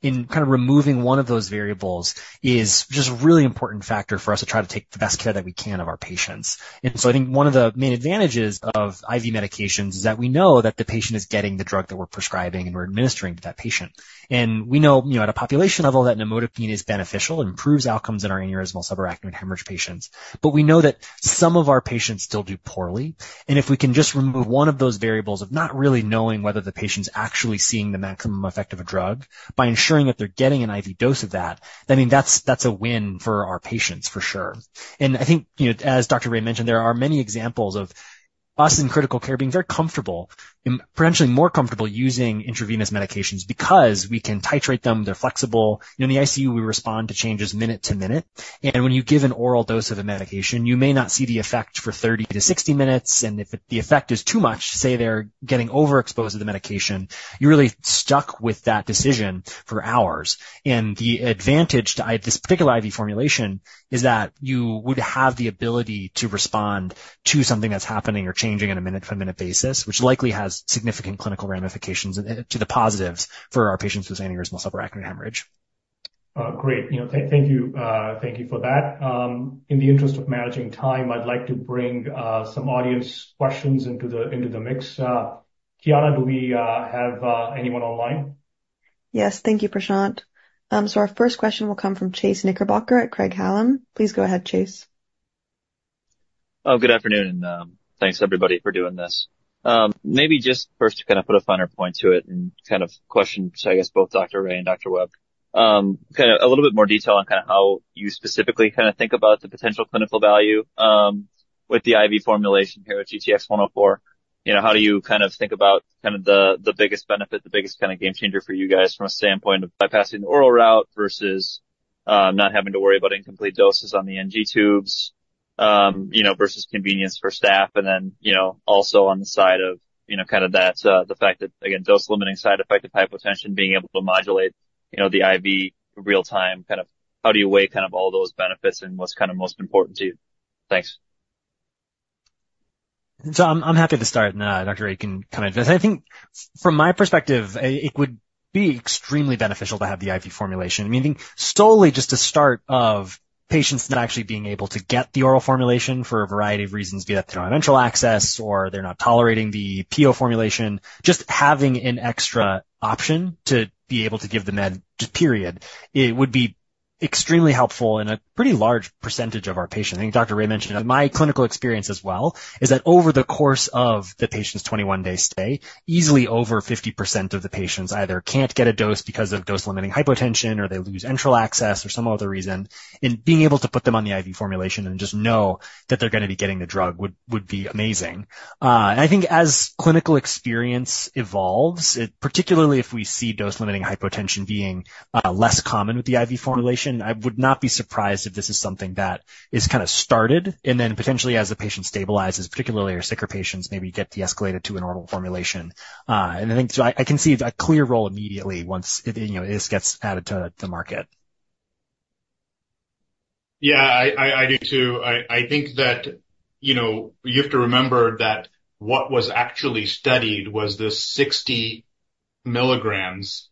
consistency in kind of removing one of those variables is just a really important factor for us to try to take the best care that we can of our patients. And so I think one of the main advantages of IV medications is that we know that the patient is getting the drug that we're prescribing and we're administering to that patient. And we know at a population level that nimodipine is beneficial, improves outcomes in our aneurysmal subarachnoid hemorrhage patients. But we know that some of our patients still do poorly. And if we can just remove one of those variables of not really knowing whether the patient's actually seeing the maximum effect of a drug by ensuring that they're getting an IV dose of that, I mean, that's a win for our patients, for sure. And I think, as Dr. Ray mentioned, there are many examples of us in critical care being very comfortable, potentially more comfortable using intravenous medications because we can titrate them. They're flexible. In the ICU, we respond to changes minute to minute. And when you give an oral dose of a medication, you may not see the effect for 30 to 60 minutes. And if the effect is too much, say they're getting overexposed to the medication, you're really stuck with that decision for hours. And the advantage to this particular IV formulation is that you would have the ability to respond to something that's happening or changing on a minute-to-minute basis, which likely has significant clinical ramifications to the positives for our patients with aneurysmal subarachnoid hemorrhage. Great. Thank you for that. In the interest of managing time, I'd like to bring some audience questions into the mix. Tiana, do we have anyone online? Yes. Thank you, Prashant. So our first question will come from Chase Knickerbocker at Craig-Hallum. Please go ahead, Chase. Oh, good afternoon. And thanks, everybody, for doing this. Maybe just first to kind of put a finer point to it and kind of question, I guess, both Dr. Ray and Dr. Webb, kind of a little bit more detail on kind of how you specifically kind of think about the potential clinical value with the IV formulation here with GTx-104. How do you kind of think about kind of the biggest benefit, the biggest kind of game changer for you guys from a standpoint of bypassing the oral route versus not having to worry about incomplete doses on the NG tubes versus convenience for staff? And then also on the side of kind of the fact that, again, dose-limiting side effect of hypotension, being able to modulate the IV real-time, kind of how do you weigh kind of all those benefits and what's kind of most important to you? Thanks. So I'm happy to start, and Dr. Ray can come in. I think from my perspective, it would be extremely beneficial to have the IV formulation. I mean, I think solely just to start off, patients not actually being able to get the oral formulation for a variety of reasons, be that through our enteral access or they're not tolerating the PO formulation, just having an extra option to be able to give the med, period. It would be extremely helpful in a pretty large percentage of our patients. I think Dr. Ray mentioned my clinical experience as well, is that over the course of the patient's 21-day stay, easily over 50% of the patients either can't get a dose because of dose-limiting hypotension or they lose enteral access or some other reason, and being able to put them on the IV formulation and just know that they're going to be getting the drug would be amazing. I think as clinical experience evolves, particularly if we see dose-limiting hypotension being less common with the IV formulation, I would not be surprised if this is something that is kind of started and then potentially as the patient stabilizes, particularly our sicker patients, maybe get de-escalated to an oral formulation. And I think so I can see a clear role immediately once this gets added to the market. Yeah, I do too. I think that you have to remember that what was actually studied was this 60 milligrams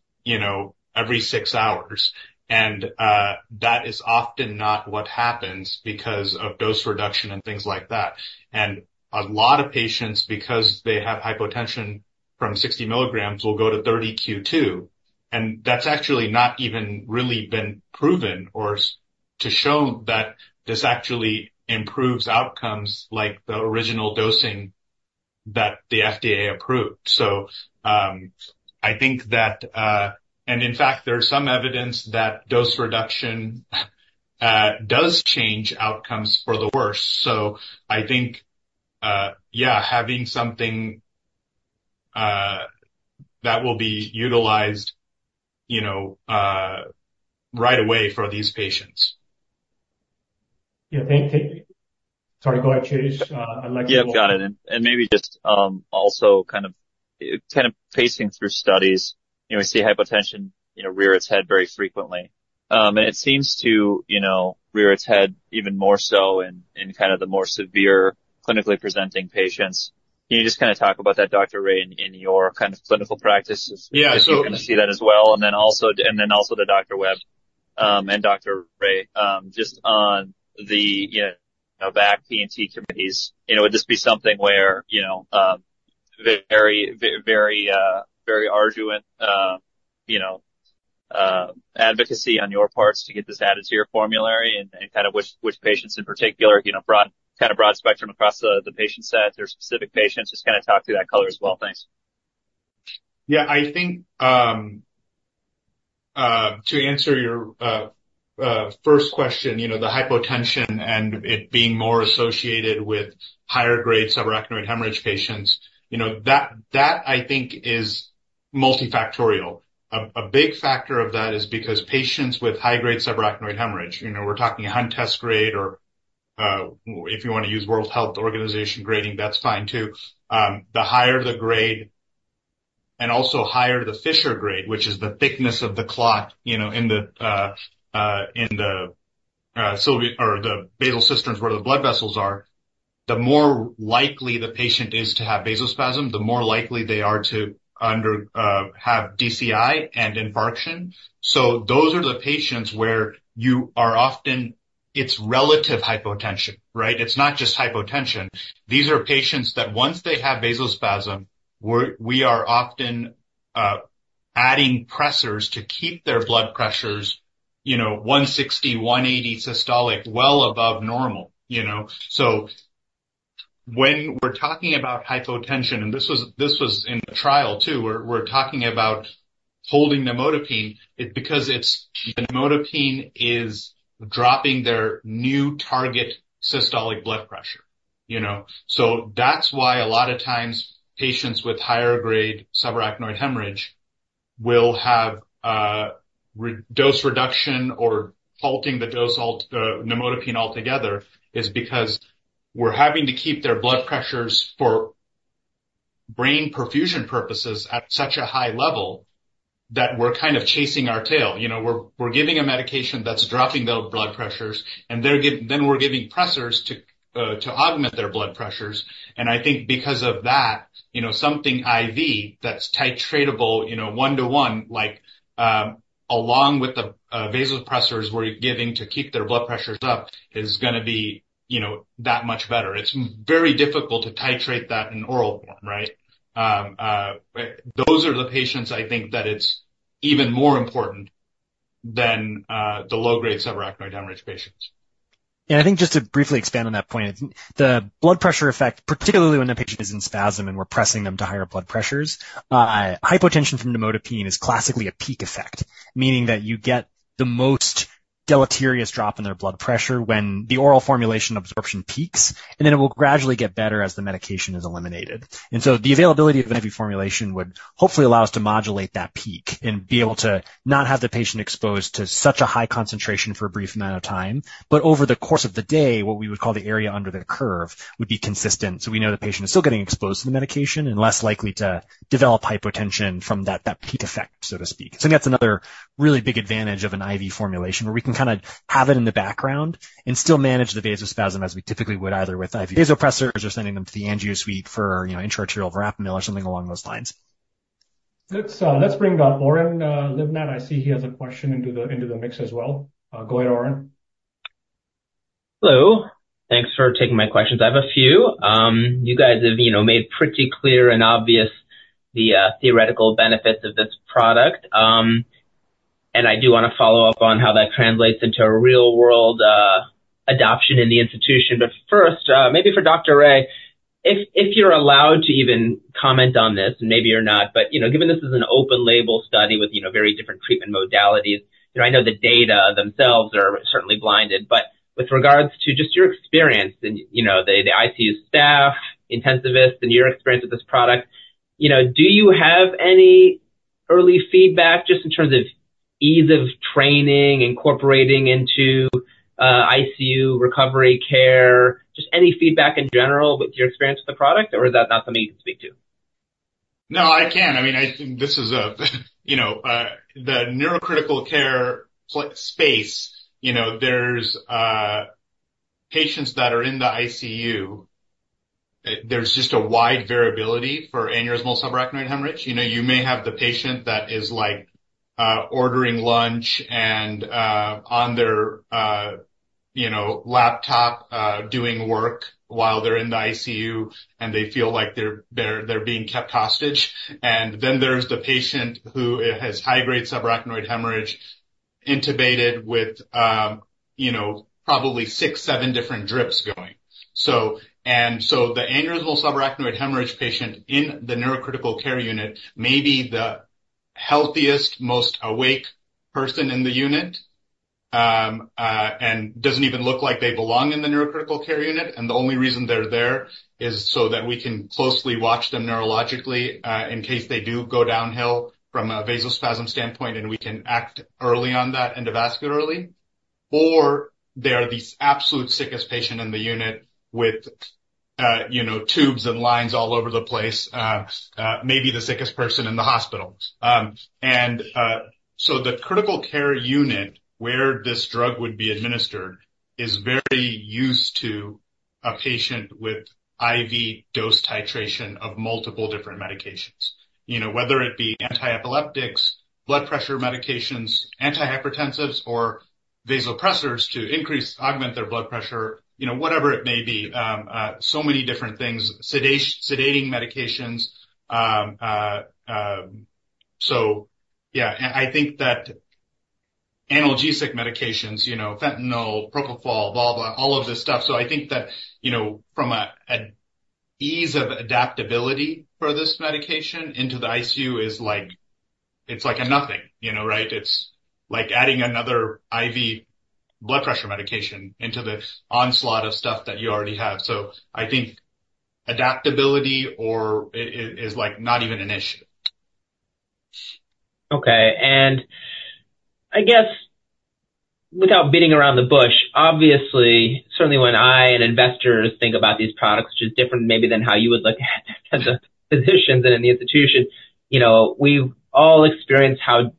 every six hours. And that is often not what happens because of dose reduction and things like that. And a lot of patients, because they have hypotension from 60 milligrams, will go to 30 q2. And that's actually not even really been proven or to show that this actually improves outcomes like the original dosing that the FDA approved. So I think that, and in fact, there's some evidence that dose reduction does change outcomes for the worse. So I think, yeah, having something that will be utilized right away for these patients. Yeah. Sorry, go ahead, Chase. I'd like to. Yep, got it. And maybe just also kind of paging through studies, we see hypotension rear its head very frequently. And it seems to rear its head even more so in kind of the more severe clinically presenting patients. Can you just kind of talk about that, Dr. Ray, in your kind of clinical practice? Yeah. So, I'm going to see that as well. And then also to Dr. Webb and Dr. Ray, just on the back P&T Committees, would this be something where very, very arduous advocacy on your parts to get this added to your formulary and kind of which patients in particular, kind of broad spectrum across the patient set, their specific patients, just kind of talk through that color as well. Thanks. Yeah. I think to answer your first question, the hypotension and it being more associated with higher-grade subarachnoid hemorrhage patients, that I think is multifactorial. A big factor of that is because patients with high-grade subarachnoid hemorrhage, we're talking Hunt and Hess grade or if you want to use World Health Organization grading, that's fine too. The higher the grade and also higher the Fisher grade, which is the thickness of the clot in the basal cisterns where the blood vessels are, the more likely the patient is to have vasospasm, the more likely they are to have DCI and infarction. So those are the patients where you are often. It's relative hypotension, right? It's not just hypotension. These are patients that once they have vasospasm, we are often adding pressors to keep their blood pressures 160, 180 systolic, well above normal. So when we're talking about hypotension, and this was in the trial too, we're talking about holding nimodipine because nimodipine is dropping their new target systolic blood pressure. That's why a lot of times patients with higher-grade subarachnoid hemorrhage will have dose reduction or halting the dose of nimodipine altogether. This is because we're having to keep their blood pressures for brain perfusion purposes at such a high level that we're kind of chasing our tail. We're giving a medication that's dropping their blood pressures, and then we're giving pressors to augment their blood pressures. I think because of that, something IV that's titratable one-to-one, like along with the vasopressors we're giving to keep their blood pressures up, is going to be that much better. It's very difficult to titrate that in oral form, right? Those are the patients I think that it's even more important than the low-grade subarachnoid hemorrhage patients. Yeah. I think just to briefly expand on that point, the blood pressure effect, particularly when a patient is in spasm and we're pressing them to higher blood pressures, hypotension from nimodipine is classically a peak effect, meaning that you get the most deleterious drop in their blood pressure when the oral formulation absorption peaks, and then it will gradually get better as the medication is eliminated, and so the availability of an IV formulation would hopefully allow us to modulate that peak and be able to not have the patient exposed to such a high concentration for a brief amount of time, but over the course of the day, what we would call the area under the curve would be consistent, so we know the patient is still getting exposed to the medication and less likely to develop hypotension from that peak effect, so to speak. So that's another really big advantage of an IV formulation where we can kind of have it in the background and still manage the vasospasm as we typically would either with IV vasopressors or sending them to the angio suite for intra-arterial verapamil or something along those lines. Let's bring on Oren Livnat. I see he has a question into the mix as well. Go ahead, Oren. Hello. Thanks for taking my questions. I have a few. You guys have made pretty clear and obvious the theoretical benefits of this product. And I do want to follow up on how that translates into a real-world adoption in the institution. But first, maybe for Dr. Webb, if you're allowed to even comment on this, and maybe you're not, but given this is an open-label study with very different treatment modalities, I know the data themselves are certainly blinded. But with regards to just your experience and the ICU staff, intensivists, and your experience with this product, do you have any early feedback just in terms of ease of training, incorporating into ICU recovery care, just any feedback in general with your experience with the product? Or is that not something you can speak to? No, I can. I mean, I think this is the neurocritical care space. There's patients that are in the ICU. There's just a wide variability for aneurysmal subarachnoid hemorrhage. You may have the patient that is ordering lunch and on their laptop doing work while they're in the ICU, and they feel like they're being kept hostage. And then there's the patient who has high-grade subarachnoid hemorrhage intubated with probably six, seven different drips going. And so the aneurysmal subarachnoid hemorrhage patient in the neurocritical care unit may be the healthiest, most awake person in the unit and doesn't even look like they belong in the neurocritical care unit. And the only reason they're there is so that we can closely watch them neurologically in case they do go downhill from a vasospasm standpoint, and we can act early on that endovascularly. Or they are the absolute sickest patient in the unit with tubes and lines all over the place, maybe the sickest person in the hospital. And so the critical care unit where this drug would be administered is very used to a patient with IV dose titration of multiple different medications, whether it be anti-epileptics, blood pressure medications, antihypertensives, or vasopressors to increase, augment their blood pressure, whatever it may be, so many different things, sedating medications. So yeah, I think that analgesic medications, fentanyl, propofol, blah, blah, all of this stuff. So I think that from an ease of adaptability for this medication into the ICU, it's like a nothing, right? It's like adding another IV blood pressure medication into the onslaught of stuff that you already have. So I think adaptability is not even an issue. Okay. And I guess without beating around the bush, obviously, certainly when I and investors think about these products, which is different maybe than how you would look at the physicians and in the institution, we've all experienced how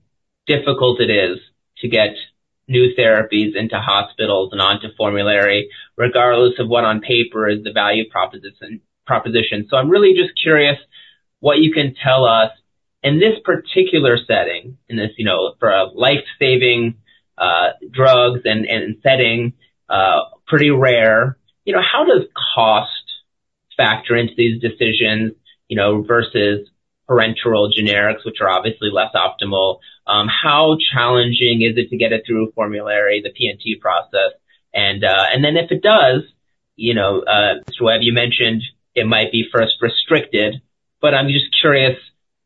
difficult it is to get new therapies into hospitals and onto formulary, regardless of what on paper is the value proposition. So I'm really just curious what you can tell us in this particular setting, in this for a life-saving drugs and setting, pretty rare. How does cost factor into these decisions versus parenteral generics, which are obviously less optimal? How challenging is it to get it through formulary, the P&T process? And then if it does, Mr. Ray, you mentioned it might be first restricted, but I'm just curious,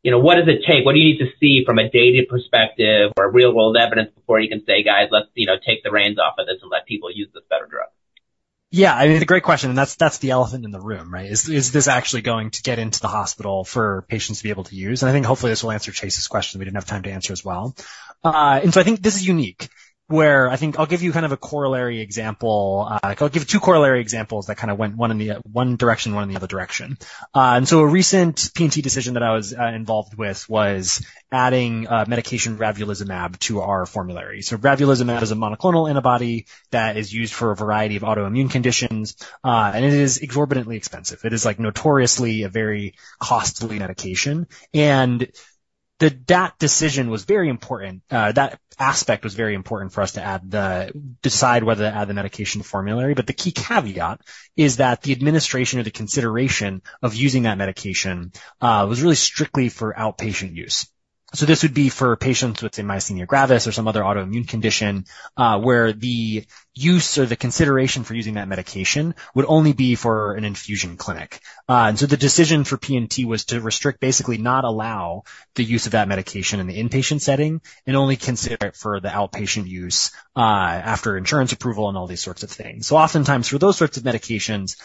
what does it take? What do you need to see from a data perspective or real-world evidence before you can say, "Guys, let's take the reins off of this and let people use this better drug"? Yeah. I mean, it's a great question. And that's the elephant in the room, right? Is this actually going to get into the hospital for patients to be able to use? And I think hopefully this will answer Chase's question that we didn't have time to answer as well. And so I think this is unique where I think I'll give you kind of a corollary example. I'll give two corollary examples that kind of went one direction, one in the other direction. And so a recent P&T decision that I was involved with was adding medication ravulizumab to our formulary. So ravulizumab is a monoclonal antibody that is used for a variety of autoimmune conditions. And it is exorbitantly expensive. It is notoriously a very costly medication. And that decision was very important. That aspect was very important for us to decide whether to add the medication to formulary. But the key caveat is that the administration or the consideration of using that medication was really strictly for outpatient use. So this would be for patients, let's say, myasthenia gravis or some other autoimmune condition where the use or the consideration for using that medication would only be for an infusion clinic. And so the decision for P&T was to restrict, basically not allow the use of that medication in the inpatient setting and only consider it for the outpatient use after insurance approval and all these sorts of things. So oftentimes for those sorts of medications,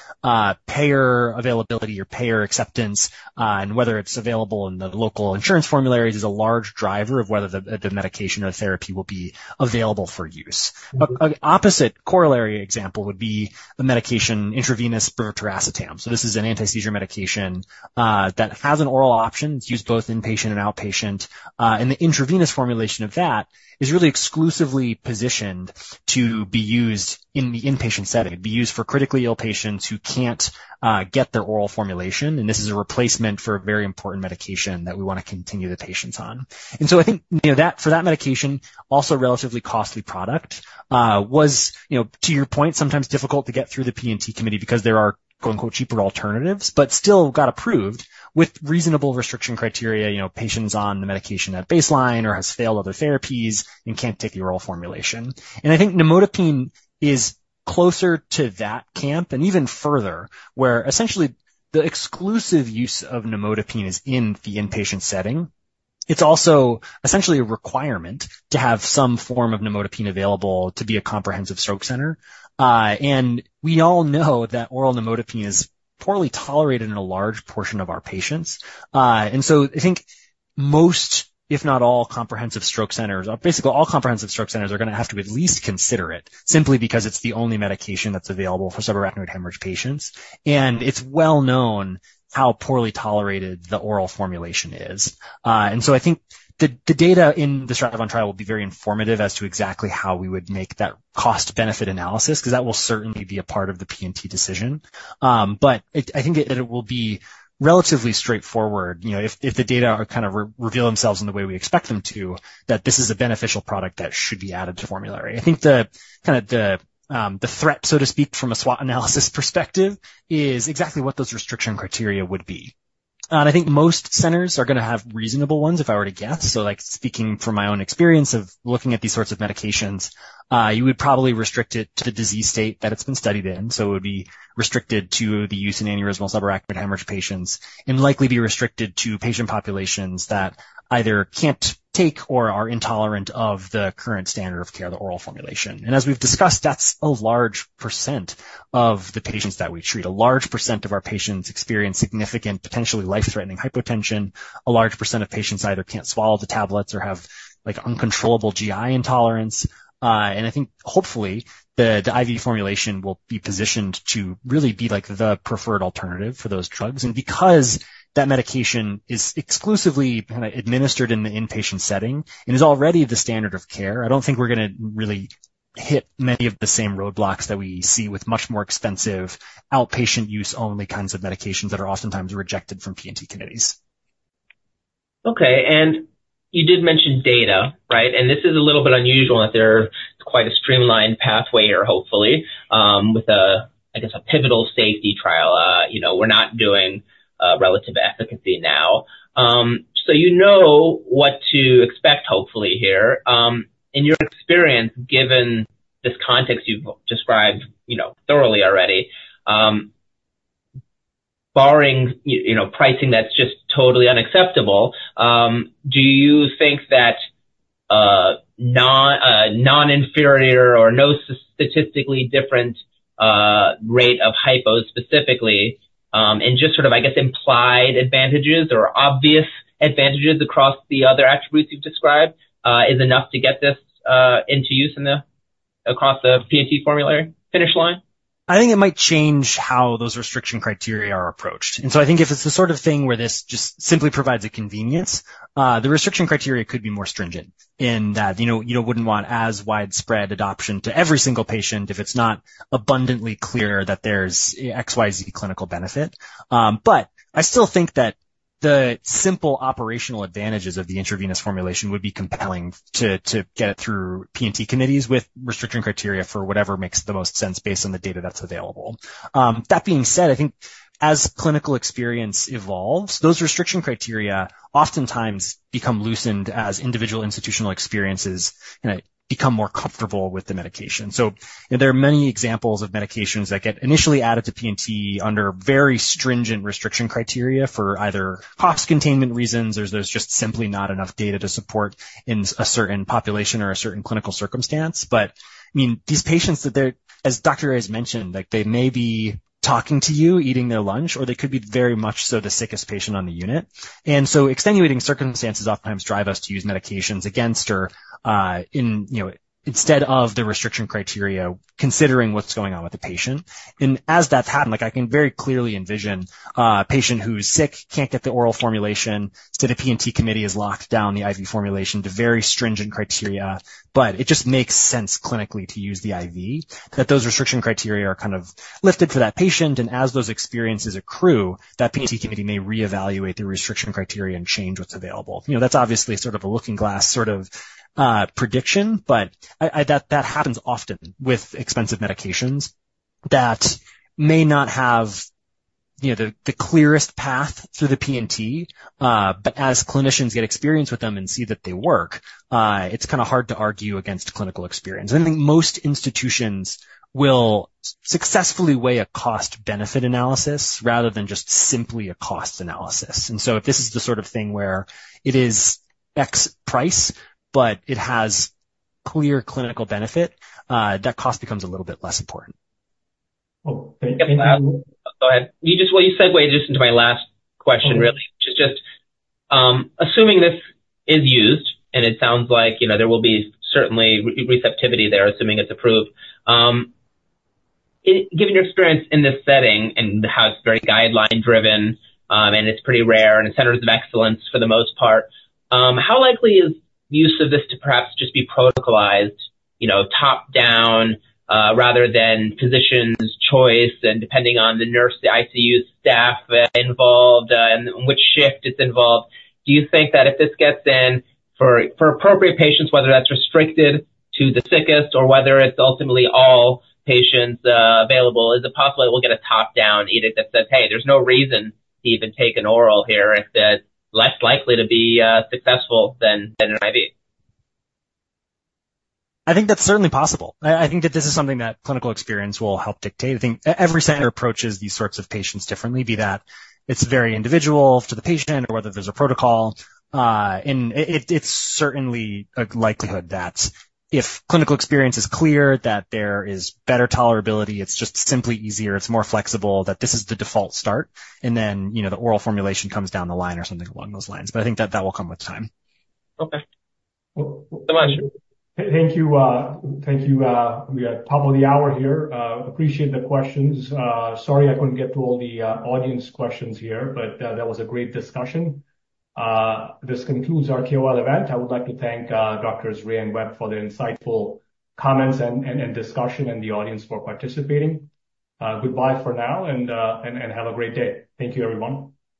payer availability or payer acceptance, and whether it's available in the local insurance formularies is a large driver of whether the medication or therapy will be available for use. An opposite corollary example would be a medication, intravenous brivaracetam. So this is an anti-seizure medication that has an oral option. It's used both inpatient and outpatient. And the intravenous formulation of that is really exclusively positioned to be used in the inpatient setting, be used for critically ill patients who can't get their oral formulation. And this is a replacement for a very important medication that we want to continue the patients on. And so I think for that medication, also a relatively costly product, was, to your point, sometimes difficult to get through the P&T committee because there are "cheaper alternatives," but still got approved with reasonable restriction criteria, patients on the medication at baseline or has failed other therapies and can't take the oral formulation. And I think nimodipine is closer to that camp and even further where essentially the exclusive use of nimodipine is in the inpatient setting. It's also essentially a requirement to have some form of nimodipine available to be a Comprehensive Stroke Center. And we all know that oral nimodipine is poorly tolerated in a large portion of our patients. And so I think most, if not all, Comprehensive Stroke Centers, basically all Comprehensive Stroke Centers are going to have to at least consider it simply because it's the only medication that's available for subarachnoid hemorrhage patients. It's well known how poorly tolerated the oral formulation is. So I think the data in the stratified trial will be very informative as to exactly how we would make that cost-benefit analysis because that will certainly be a part of the P&T decision. But I think that it will be relatively straightforward if the data kind of reveal themselves in the way we expect them to, that this is a beneficial product that should be added to formulary. I think kind of the threat, so to speak, from a SWOT analysis perspective is exactly what those restriction criteria would be. I think most centers are going to have reasonable ones, if I were to guess. Speaking from my own experience of looking at these sorts of medications, you would probably restrict it to the disease state that it's been studied in. So it would be restricted to the use in aneurysmal subarachnoid hemorrhage patients and likely be restricted to patient populations that either can't take or are intolerant of the current standard of care, the oral formulation. And as we've discussed, that's a large percent of the patients that we treat. A large percent of our patients experience significant, potentially life-threatening hypotension. A large percent of patients either can't swallow the tablets or have uncontrollable GI intolerance. And I think hopefully the IV formulation will be positioned to really be the preferred alternative for those drugs. And because that medication is exclusively administered in the inpatient setting and is already the standard of care, I don't think we're going to really hit many of the same roadblocks that we see with much more expensive outpatient use-only kinds of medications that are oftentimes rejected from P&T committees. Okay. You did mention data, right? This is a little bit unusual that there's quite a streamlined pathway here, hopefully, with, I guess, a pivotal safety trial. We're not doing relative efficacy now. So you know what to expect, hopefully, here. In your experience, given this context you've described thoroughly already, barring pricing that's just totally unacceptable, do you think that non-inferior or no statistically different rate of hypo specifically and just sort of, I guess, implied advantages or obvious advantages across the other attributes you've described is enough to get this into use across the P&T formulary finish line? I think it might change how those restriction criteria are approached. And so, I think if it's the sort of thing where this just simply provides a convenience, the restriction criteria could be more stringent in that you wouldn't want as widespread adoption to every single patient if it's not abundantly clear that there's XYZ clinical benefit. But I still think that the simple operational advantages of the intravenous formulation would be compelling to get it through P&T Committees with restriction criteria for whatever makes the most sense based on the data that's available. That being said, I think as clinical experience evolves, those restriction criteria oftentimes become loosened as individual institutional experiences kind of become more comfortable with the medication. So there are many examples of medications that get initially added to P&T under very stringent restriction criteria for either cost containment reasons or there's just simply not enough data to support in a certain population or a certain clinical circumstance. But I mean, these patients, as Dr. Webb has mentioned, they may be talking to you, eating their lunch, or they could be very much so the sickest patient on the unit. And so extenuating circumstances oftentimes drive us to use medications against or instead of the restriction criteria, considering what's going on with the patient. And as that's happened, I can very clearly envision a patient who's sick, can't get the oral formulation, so the P&T Committee has locked down the IV formulation to very stringent criteria. But it just makes sense clinically to use the IV that those restriction criteria are kind of lifted for that patient. And as those experiences accrue, that P&T Committee may reevaluate the restriction criteria and change what's available. That's obviously sort of a looking glass sort of prediction, but that happens often with expensive medications that may not have the clearest path through the P&T. But as clinicians get experience with them and see that they work, it's kind of hard to argue against clinical experience. And I think most institutions will successfully weigh a cost-benefit analysis rather than just simply a cost analysis. And so if this is the sort of thing where it is X price, but it has clear clinical benefit, that cost becomes a little bit less important. Oh, thank you. Go ahead. Well, you segued just into my last question, really, which is just assuming this is used and it sounds like there will be certainly receptivity there, assuming it's approved. Given your experience in this setting and how it's very guideline-driven and it's pretty rare and centers of excellence for the most part, how likely is use of this to perhaps just be protocolized top-down rather than physicians' choice and depending on the nurse, the ICU staff involved, and which shift it's involved? Do you think that if this gets in for appropriate patients, whether that's restricted to the sickest or whether it's ultimately all patients available, is it possible it will get a top-down either that says, "Hey, there's no reason to even take an oral here," and it's less likely to be successful than an IV? I think that's certainly possible. I think that this is something that clinical experience will help dictate. I think every center approaches these sorts of patients differently, be that it's very individual to the patient or whether there's a protocol. It's certainly a likelihood that if clinical experience is clear that there is better tolerability, it's just simply easier, it's more flexible, that this is the default start, and then the oral formulation comes down the line or something along those lines. But I think that that will come with time. Okay. Thank you. Thank you. We are top of the hour here. Appreciate the questions. Sorry I couldn't get to all the audience questions here, but that was a great discussion. This concludes our KOL event. I would like to thank Doctors Ray and Webb for the insightful comments and discussion and the audience for participating. Goodbye for now and have a great day. Thank you, everyone.